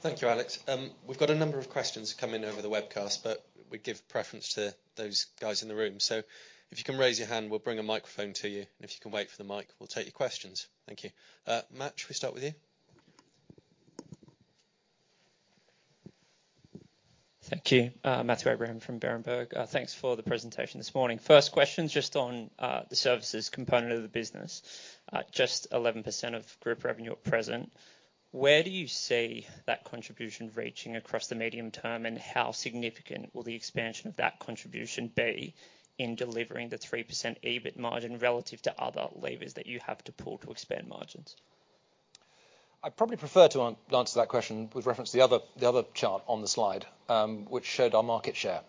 Thank you, Alex. We've got a number of questions coming over the webcast, but we give preference to those guys in the room. If you can raise your hand, we'll bring a microphone to you. If you can wait for the mic, we'll take your questions. Thank you. Matt, should we start with you? Thank you. Matthew Abraham from Berenberg. Thanks for the presentation this morning. First question, just on the services component of the business, just 11% of group revenue at present. Where do you see that contribution reaching across the medium term, and how significant will the expansion of that contribution be in delivering the 3% EBIT margin relative to other levers that you have to pull to expand margins? I'd probably prefer to answer that question with reference to the other chart on the slide, which showed our market share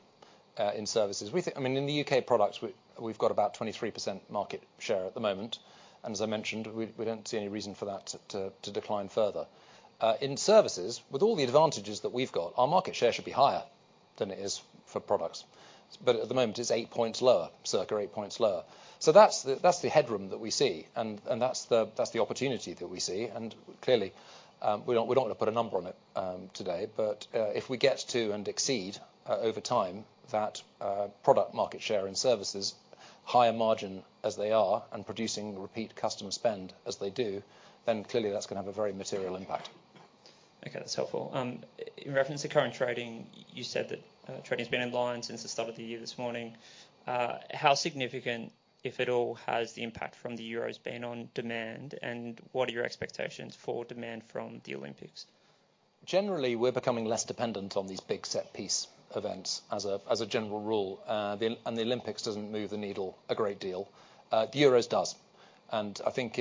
in services. I mean, in the U.K. products, we've got about 23% market share at the moment. As I mentioned, we don't see any reason for that to decline further. In services, with all the advantages that we've got, our market share should be higher than it is for products. At the moment, it's 8 points lower, circa 8 points lower. That's the headroom that we see, and that's the opportunity that we see. Clearly, we don't want to put a number on it today, but if we get to and exceed over time that product market share in services, higher margin as they are and producing repeat customer spend as they do, then clearly that's going to have a very material impact. Okay, that's helpful. In reference to current trading, you said that trading has been in line since the start of the year this morning. How significant, if at all, has the impact from the EUR has been on demand, and what are your expectations for demand from the Olympics? Generally, we're becoming less dependent on these big set-piece events as a general rule. The Olympics doesn't move the needle a great deal. The Euros does. I think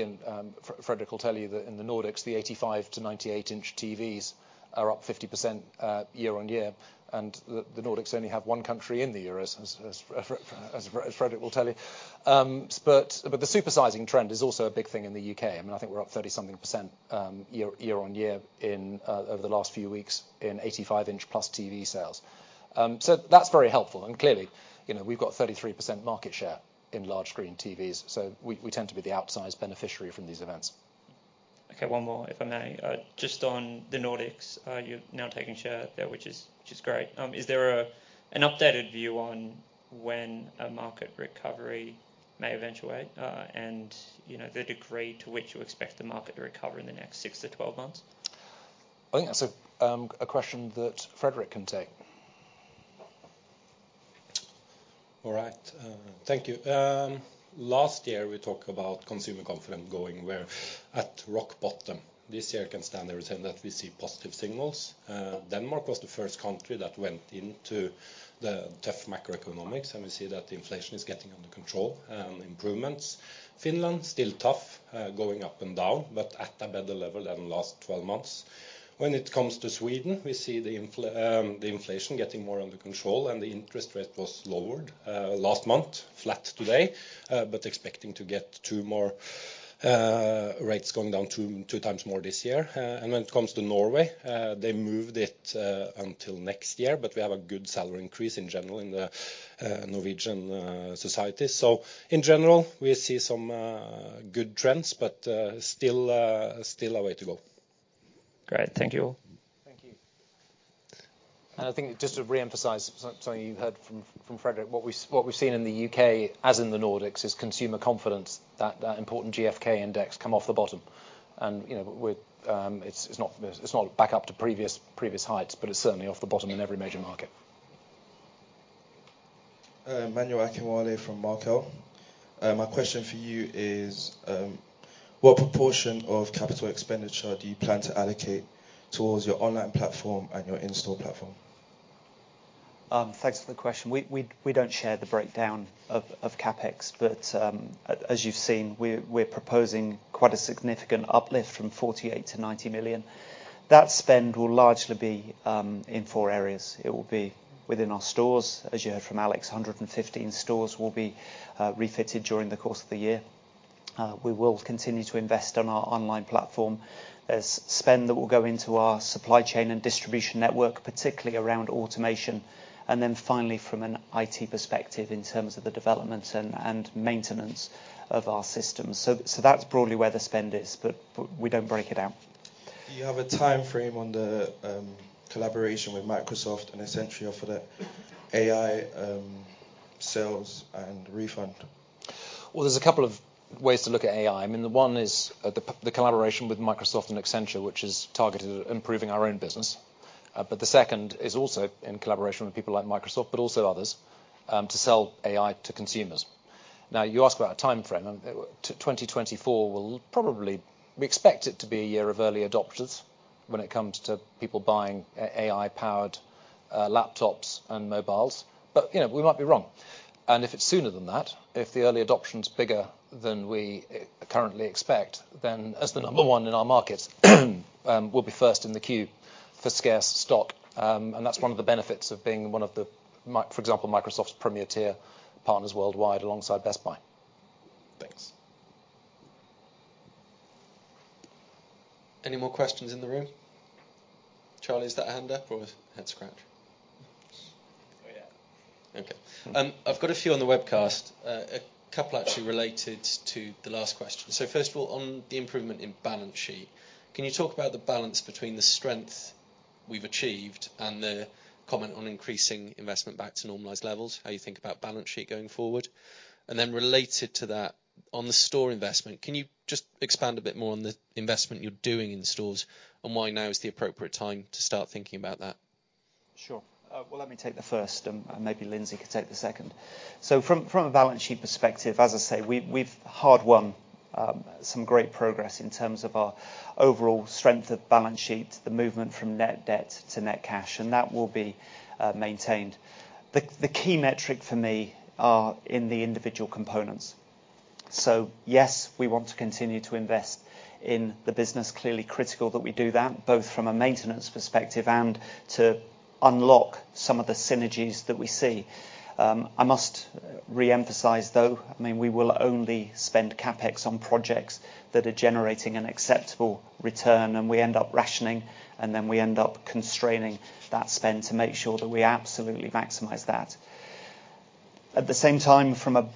Fredrik will tell you that in the Nordics, the 85- to 98-inch TVs are up 50% year-on-year. The Nordics only have one country in the Euros, as Fredrik will tell you. But the supersizing trend is also a big thing in the U.K. I mean, I think we're up 30-something% year-on-year over the last few weeks in 85-inch-plus TV sales. That's very helpful. Clearly, we've got 33% market share in large screen TVs. We tend to be the outsized beneficiary from these events. Okay, one more, if I may. Just on the Nordics, you're now taking share there, which is great. Is there an updated view on when a market recovery may eventuate and the degree to which you expect the market to recover in the next 6-12 months? I think that's a question that Frederick can take. All right. Thank you. Last year, we talked about consumer confidence going at rock bottom. This year can stand the return that we see positive signals. Denmark was the first country that went into the tough macroeconomics, and we see that the inflation is getting under control and improvements. Finland is still tough, going up and down, but at a better level than last 12 months. When it comes to Sweden, we see the inflation getting more under control, and the interest rate was lowered last month, flat today, but expecting to get 2 more rates going down 2 times more this year. When it comes to Norway, they moved it until next year, but we have a good salary increase in general in the Norwegian society. So in general, we see some good trends, but still a way to go. Great. Thank you all. Thank you. I think just to re-emphasize something you've heard from Frederick, what we've seen in the U.K. as in the Nordics is consumer confidence, that important GfK index come off the bottom. It's not back up to previous heights, but it's certainly off the bottom in every major market. Manuel Akewale from. My question for you is, what proportion of capital expenditure do you plan to allocate towards your online platform and your in-store platform? Thanks for the question. We don't share the breakdown of CapEx, but as you've seen, we're proposing quite a significant uplift from 48 million to 90 million. That spend will largely be in four areas. It will be within our stores, as you heard from Alex. 115 stores will be refitted during the course of the year. We will continue to invest on our online platform. There's spend that will go into our supply chain and distribution network, particularly around automation. And then finally, from an IT perspective in terms of the development and maintenance of our systems. So that's broadly where the spend is, but we don't break it out. Do you have a time frame on the collaboration with Microsoft and Accenture for the AI sales and refund? Well, there's a couple of ways to look at AI. I mean, one is the collaboration with Microsoft and Accenture, which is targeted at improving our own business. But the second is also in collaboration with people like Microsoft, but also others, to sell AI to consumers. Now, you asked about a time frame. 2024 will probably be expected to be a year of early adopters when it comes to people buying AI-powered laptops and mobiles. But we might be wrong. And if it's sooner than that, if the early adoption is bigger than we currently expect, then as the number one in our market, we'll be first in the queue for scarce stock. And that's one of the benefits of being one of the, for example, Microsoft's premier tier partners worldwide alongside Best Buy. Thanks. Any more questions in the room? Charlie, is that a hand up or a head scratch? Okay. I've got a few on the webcast, a couple actually related to the last question. So first of all, on the improvement in balance sheet, can you talk about the balance between the strength we've achieved and the comment on increasing investment back to normalized levels, how you think about balance sheet going forward? And then related to that, on the store investment, can you just expand a bit more on the investment you're doing in stores and why now is the appropriate time to start thinking about that? Sure. Well, let me take the first, and maybe Lindsay could take the second. So from a balance sheet perspective, as I say, we've hard-won some great progress in terms of our overall strength of balance sheet, the movement from net debt to net cash, and that will be maintained. The key metric for me are in the individual components. So yes, we want to continue to invest in the business. Clearly critical that we do that, both from a maintenance perspective and to unlock some of the synergies that we see. I must re-emphasize, though, I mean, we will only spend CapEx on projects that are generating an acceptable return, and we end up rationing, and then we end up constraining that spend to make sure that we absolutely maximize that. At the same time, from a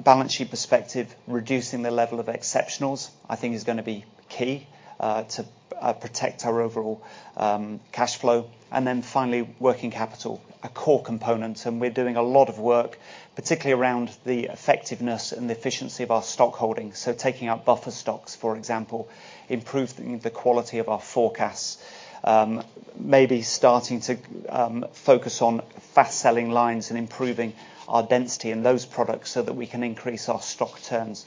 balance sheet perspective, reducing the level of Exceptionals, I think, is going to be key to protect our overall cash flow. Then finally, working capital, a core component, and we're doing a lot of work, particularly around the effectiveness and the efficiency of our stock holdings. So taking out buffer stocks, for example, improving the quality of our forecasts, maybe starting to focus on fast-selling lines and improving our density in those products so that we can increase our stock turns.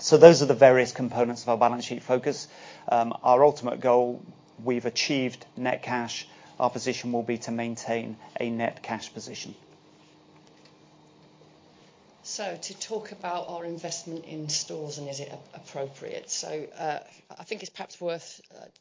So those are the various components of our balance sheet focus. Our ultimate goal, we've achieved Net cash. Our position will be to maintain a Net cash position. So to talk about our investment in stores and is it appropriate? So I think it's perhaps worth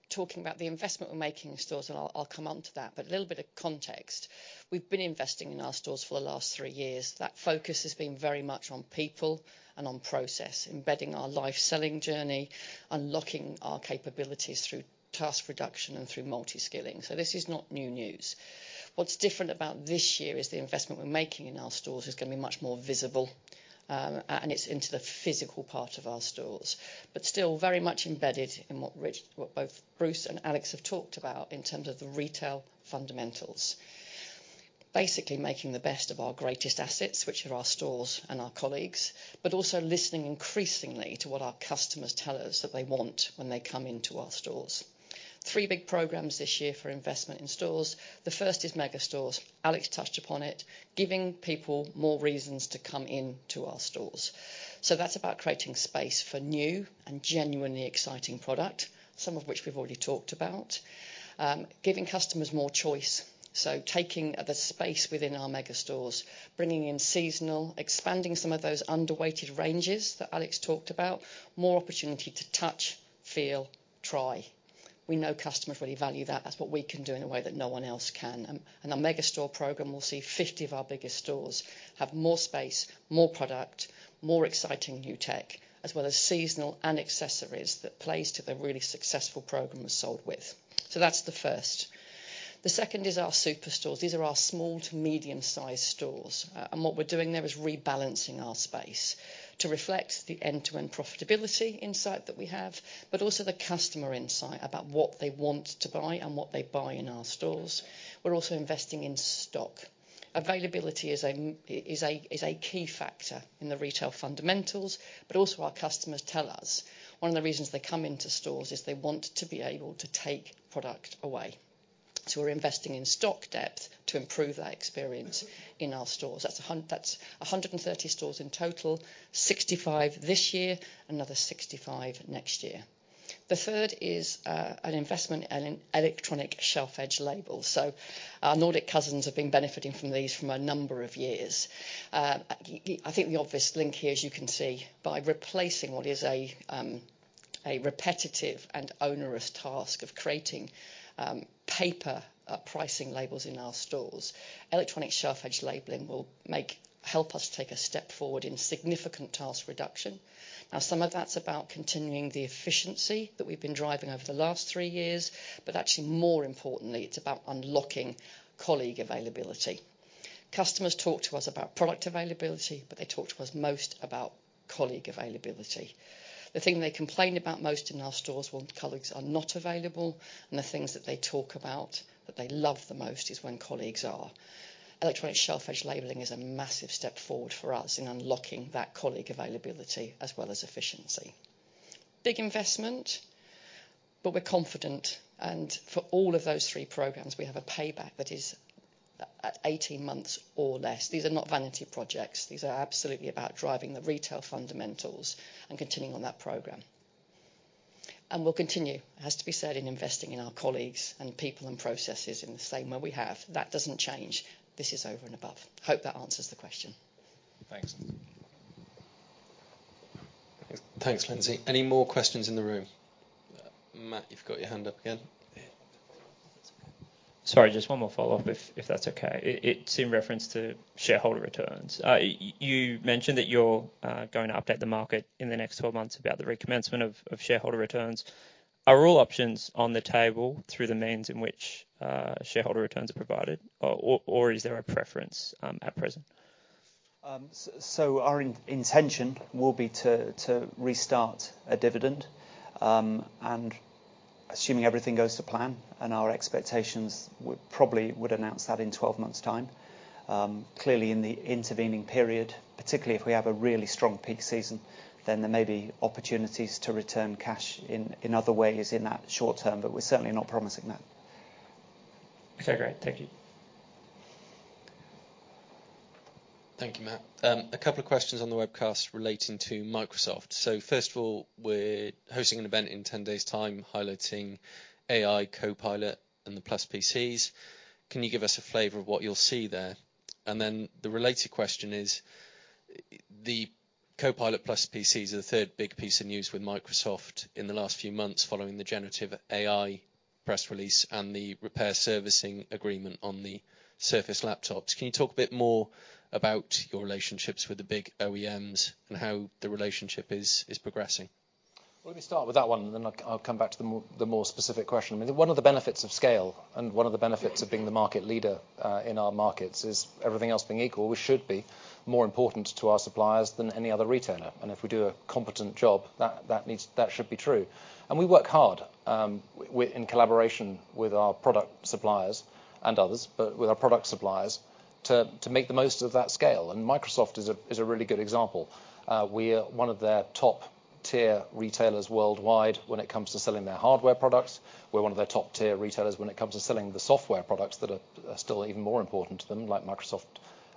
talking about the investment we're making in stores, and I'll come on to that, but a little bit of context. We've been investing in our stores for the last three years. That focus has been very much on people and on process, embedding our live-selling journey, unlocking our capabilities through task reduction and through multi-skilling. So this is not new news. What's different about this year is the investment we're making in our stores is going to be much more visible, and it's into the physical part of our stores, but still very much embedded in what both Bruce and Alex have talked about in terms of the retail fundamentals. Basically making the best of our greatest assets, which are our stores and our colleagues, but also listening increasingly to what our customers tell us that they want when they come into our stores. Three big programs this year for investment in stores. The first is mega stores. Alex touched upon it, giving people more reasons to come into our stores. So that's about creating space for new and genuinely exciting product, some of which we've already talked about, giving customers more choice. So taking the space within our mega stores, bringing in seasonal, expanding some of those underweighted ranges that Alex talked about, more opportunity to touch, feel, try. We know customers really value that. That's what we can do in a way that no one else can. Our mega store program will see 50 of our biggest stores have more space, more product, more exciting new tech, as well as seasonal and accessories that plays to the really successful programs sold with. So that's the first. The second is our superstores. These are our small to medium-sized stores. And what we're doing there is rebalancing our space to reflect the end-to-end profitability insight that we have, but also the customer insight about what they want to buy and what they buy in our stores. We're also investing in stock. Availability is a key factor in the retail fundamentals, but also our customers tell us. One of the reasons they come into stores is they want to be able to take product away. So we're investing in stock depth to improve that experience in our stores. That's 130 stores in total, 65 this year, another 65 next year. The third is an investment in electronic shelf edge labels. So our Nordic cousins have been benefiting from these for a number of years. I think the obvious link here, as you can see, by replacing what is a repetitive and onerous task of creating paper pricing labels in our stores, electronic shelf edge labeling will help us take a step forward in significant task reduction. Now, some of that's about continuing the efficiency that we've been driving over the last three years, but actually, more importantly, it's about unlocking colleague availability. Customers talk to us about product availability, but they talk to us most about colleague availability. The thing they complain about most in our stores when colleagues are not available and the things that they talk about that they love the most is when colleagues are. Electronic shelf edge labeling is a massive step forward for us in unlocking that colleague availability as well as efficiency. Big investment, but we're confident. And for all of those three programs, we have a payback that is 18 months or less. These are not vanity projects. These are absolutely about driving the retail fundamentals and continuing on that program. And we'll continue, it has to be said, in investing in our colleagues and people and processes in the same way we have. That doesn't change. This is over and above. Hope that answers the question. Thanks. Thanks, Lindsay. Any more questions in the room? Matt, you've got your hand up again. Sorry, just one more follow-up, if that's okay. It's in reference to shareholder returns. You mentioned that you're going to update the market in the next 12 months about the recommencement of shareholder returns. Are all options on the table through the means in which shareholder returns are provided, or is there a preference at present? Our intention will be to restart a dividend. Assuming everything goes to plan and our expectations, we probably would announce that in 12 months' time. Clearly, in the intervening period, particularly if we have a really strong peak season, then there may be opportunities to return cash in other ways in that short term, but we're certainly not promising that. Okay, great. Thank you. Thank you, Matt. A couple of questions on the webcast relating to Microsoft. So first of all, we're hosting an event in 10 days' time highlighting AI, Copilot, and the Copilot+ PCs. Can you give us a flavor of what you'll see there? And then the related question is, the Copilot+ PCs are the third big piece of news with Microsoft in the last few months following the generative AI press release and the repair servicing agreement on the Surface laptops. Can you talk a bit more about your relationships with the big OEMs and how the relationship is progressing? Well, let me start with that one, and then I'll come back to the more specific question. One of the benefits of scale and one of the benefits of being the market leader in our markets is everything else being equal, we should be more important to our suppliers than any other retailer. If we do a competent job, that should be true. We work hard in collaboration with our product suppliers and others, but with our product suppliers to make the most of that scale. Microsoft is a really good example. We are one of their top-tier retailers worldwide when it comes to selling their hardware products. We're one of their top-tier retailers when it comes to selling the software products that are still even more important to them, like Microsoft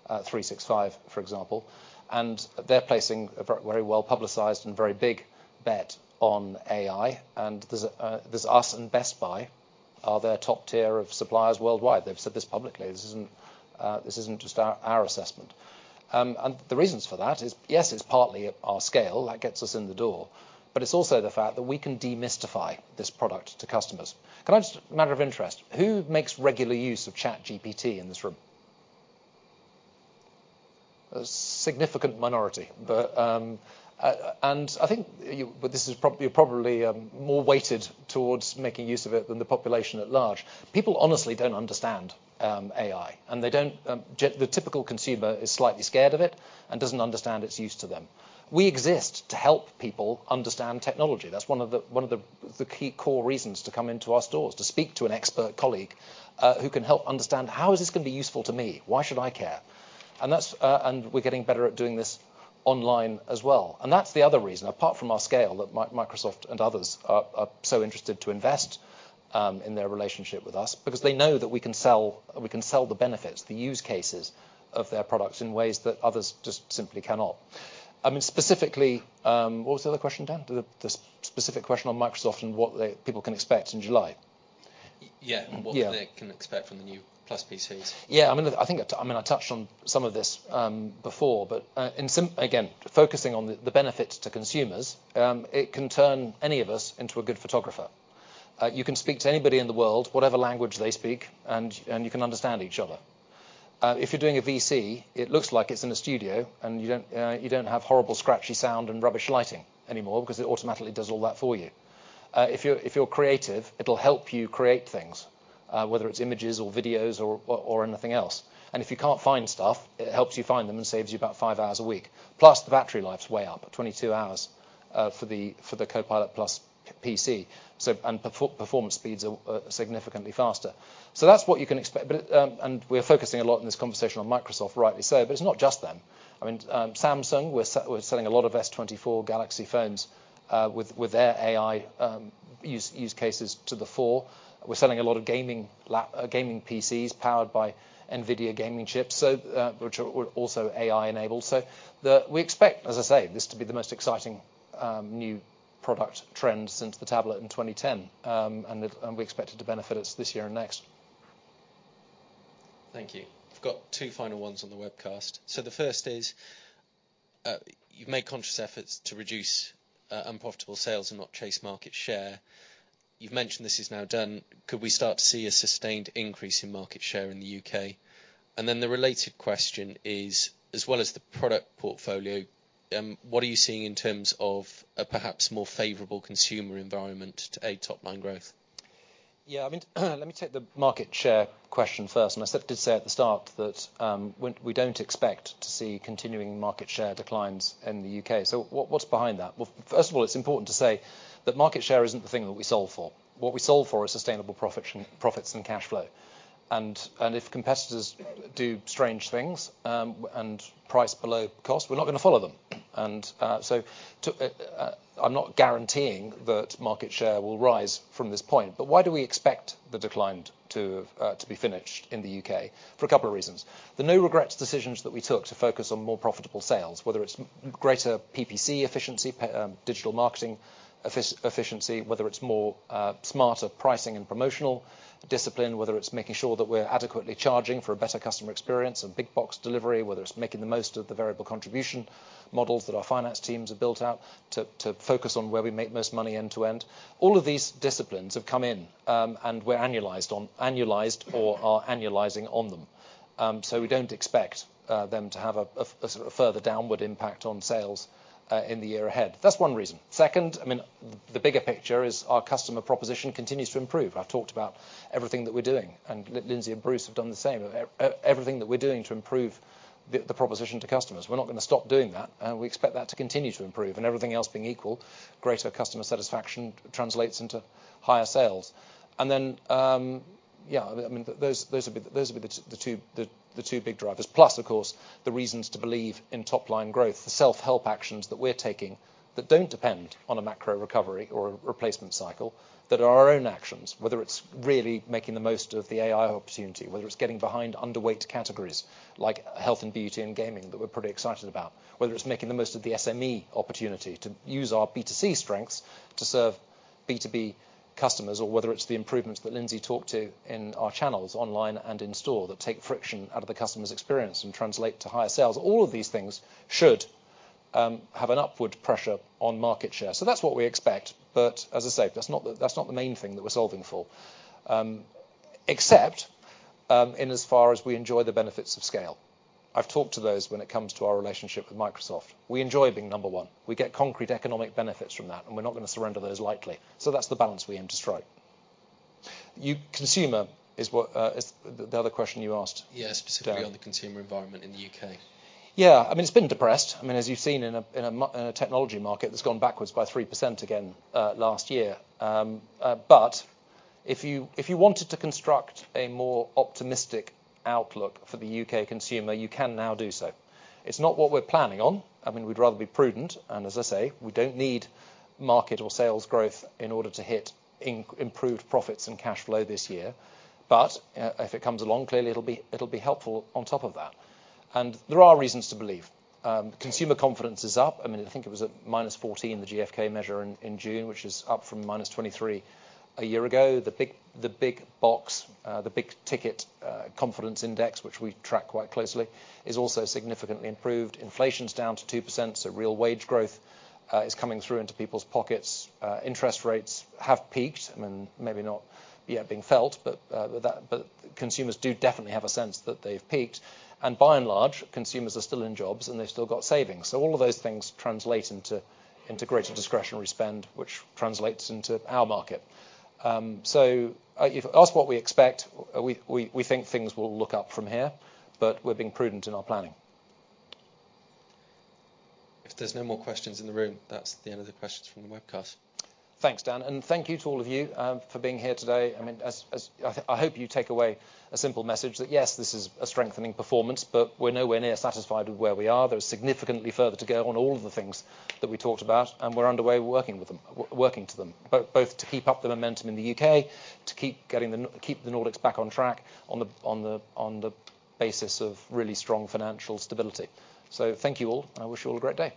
365, for example. They're placing a very well-publicized and very big bet on AI. And there's us and Best Buy are their top-tier suppliers worldwide. They've said this publicly. This isn't just our assessment. And the reasons for that is, yes, it's partly our scale that gets us in the door, but it's also the fact that we can demystify this product to customers. Can I just, matter of interest, who makes regular use of ChatGPT in this room? A significant minority. And I think this is probably more weighted towards making use of it than the population at large. People honestly don't understand AI, and the typical consumer is slightly scared of it and doesn't understand its use to them. We exist to help people understand technology. That's one of the key core reasons to come into our stores, to speak to an expert colleague who can help understand, "How is this going to be useful to me? Why should I care?" And we're getting better at doing this online as well. And that's the other reason, apart from our scale, that Microsoft and others are so interested to invest in their relationship with us, because they know that we can sell the benefits, the use cases of their products in ways that others just simply cannot. I mean, specifically, what was the other question, Dan? The specific question on Microsoft and what people can expect in July? Yeah, what they can expect from the new Copilot+ PCs. Yeah, I mean, I touched on some of this before, but again, focusing on the benefits to consumers, it can turn any of us into a good photographer. You can speak to anybody in the world, whatever language they speak, and you can understand each other. If you're doing a VC, it looks like it's in a studio, and you don't have horrible scratchy sound and rubbish lighting anymore because it automatically does all that for you. If you're creative, it'll help you create things, whether it's images or videos or anything else. And if you can't find stuff, it helps you find them and saves you about five hours a week. Plus, the battery life's way up, 22 hours for the Copilot+ PC, and performance speeds are significantly faster. So that's what you can expect. We're focusing a lot in this conversation on Microsoft, rightly so, but it's not just them. I mean, Samsung, we're selling a lot of S24 Galaxy phones with their AI use cases to the full. We're selling a lot of gaming PCs powered by NVIDIA gaming chips, which are also AI-enabled. So we expect, as I say, this to be the most exciting new product trend since the tablet in 2010, and we expect it to benefit us this year and next. Thank you. We've got two final ones on the webcast. So the first is, you've made conscious efforts to reduce unprofitable sales and not chase market share. You've mentioned this is now done. Could we start to see a sustained increase in market share in the U.K.? And then the related question is, as well as the product portfolio, what are you seeing in terms of a perhaps more favorable consumer environment to aid top-line growth? Yeah, I mean, let me take the market share question first. I did say at the start that we don't expect to see continuing market share declines in the U.K. So what's behind that? Well, first of all, it's important to say that market share isn't the thing that we sold for. What we sold for is sustainable profits and cash flow. If competitors do strange things and price below cost, we're not going to follow them. So I'm not guaranteeing that market share will rise from this point. Why do we expect the decline to be finished in the U.K.? For a couple of reasons. The no-regrets decisions that we took to focus on more profitable sales, whether it's greater PPC efficiency, digital marketing efficiency, whether it's smarter pricing and promotional discipline, whether it's making sure that we're adequately charging for a better customer experience and big box delivery, whether it's making the most of the variable contribution models that our finance teams have built out to focus on where we make most money end-to-end. All of these disciplines have come in, and we're annualized or are annualizing on them. So we don't expect them to have a further downward impact on sales in the year ahead. That's one reason. Second, I mean, the bigger picture is our customer proposition continues to improve. I've talked about everything that we're doing, and Lindsay and Bruce have done the same. Everything that we're doing to improve the proposition to customers. We're not going to stop doing that. We expect that to continue to improve. And everything else being equal, greater customer satisfaction translates into higher sales. And then, yeah, I mean, those would be the two big drivers. Plus, of course, the reasons to believe in top-line growth, the self-help actions that we're taking that don't depend on a macro recovery or a replacement cycle, that are our own actions, whether it's really making the most of the AI opportunity, whether it's getting behind underweight categories like health and beauty and gaming that we're pretty excited about, whether it's making the most of the SME opportunity to use our B2C strengths to serve B2B customers, or whether it's the improvements that Lindsay talked to in our channels online and in store that take friction out of the customer's experience and translate to higher sales. All of these things should have an upward pressure on market share. So that's what we expect. But as I say, that's not the main thing that we're solving for, except in as far as we enjoy the benefits of scale. I've talked to those when it comes to our relationship with Microsoft. We enjoy being number one. We get concrete economic benefits from that, and we're not going to surrender those lightly. So that's the balance we aim to strike. Consumer is the other question you asked? Yeah, specifically on the consumer environment in the U.K. Yeah, I mean, it's been depressed. I mean, as you've seen in a technology market, it's gone backwards by 3% again last year. But if you wanted to construct a more optimistic outlook for the U.K.. consumer, you can now do so. It's not what we're planning on. I mean, we'd rather be prudent. And as I say, we don't need market or sales growth in order to hit improved profits and cash flow this year. But if it comes along, clearly, it'll be helpful on top of that. And there are reasons to believe. Consumer confidence is up. I mean, I think it was at -14, the GfK measure in June, which is up from -23 a year ago. The big box, the big ticket confidence index, which we track quite closely, is also significantly improved. Inflation's down to 2%, so real wage growth is coming through into people's pockets. Interest rates have peaked. I mean, maybe not yet being felt, but consumers do definitely have a sense that they've peaked. By and large, consumers are still in jobs, and they've still got savings. All of those things translate into greater discretionary spend, which translates into our market. If you ask what we expect, we think things will look up from here, but we're being prudent in our planning. If there's no more questions in the room, that's the end of the questions from the webcast. Thanks, Dan. And thank you to all of you for being here today. I mean, I hope you take away a simple message that, yes, this is a strengthening performance, but we're nowhere near satisfied with where we are. There's significantly further to go on all of the things that we talked about, and we're underway working to them, both to keep up the momentum in the U.K., to keep the Nordics back on track on the basis of really strong financial stability. So thank you all, and I wish you all a great day.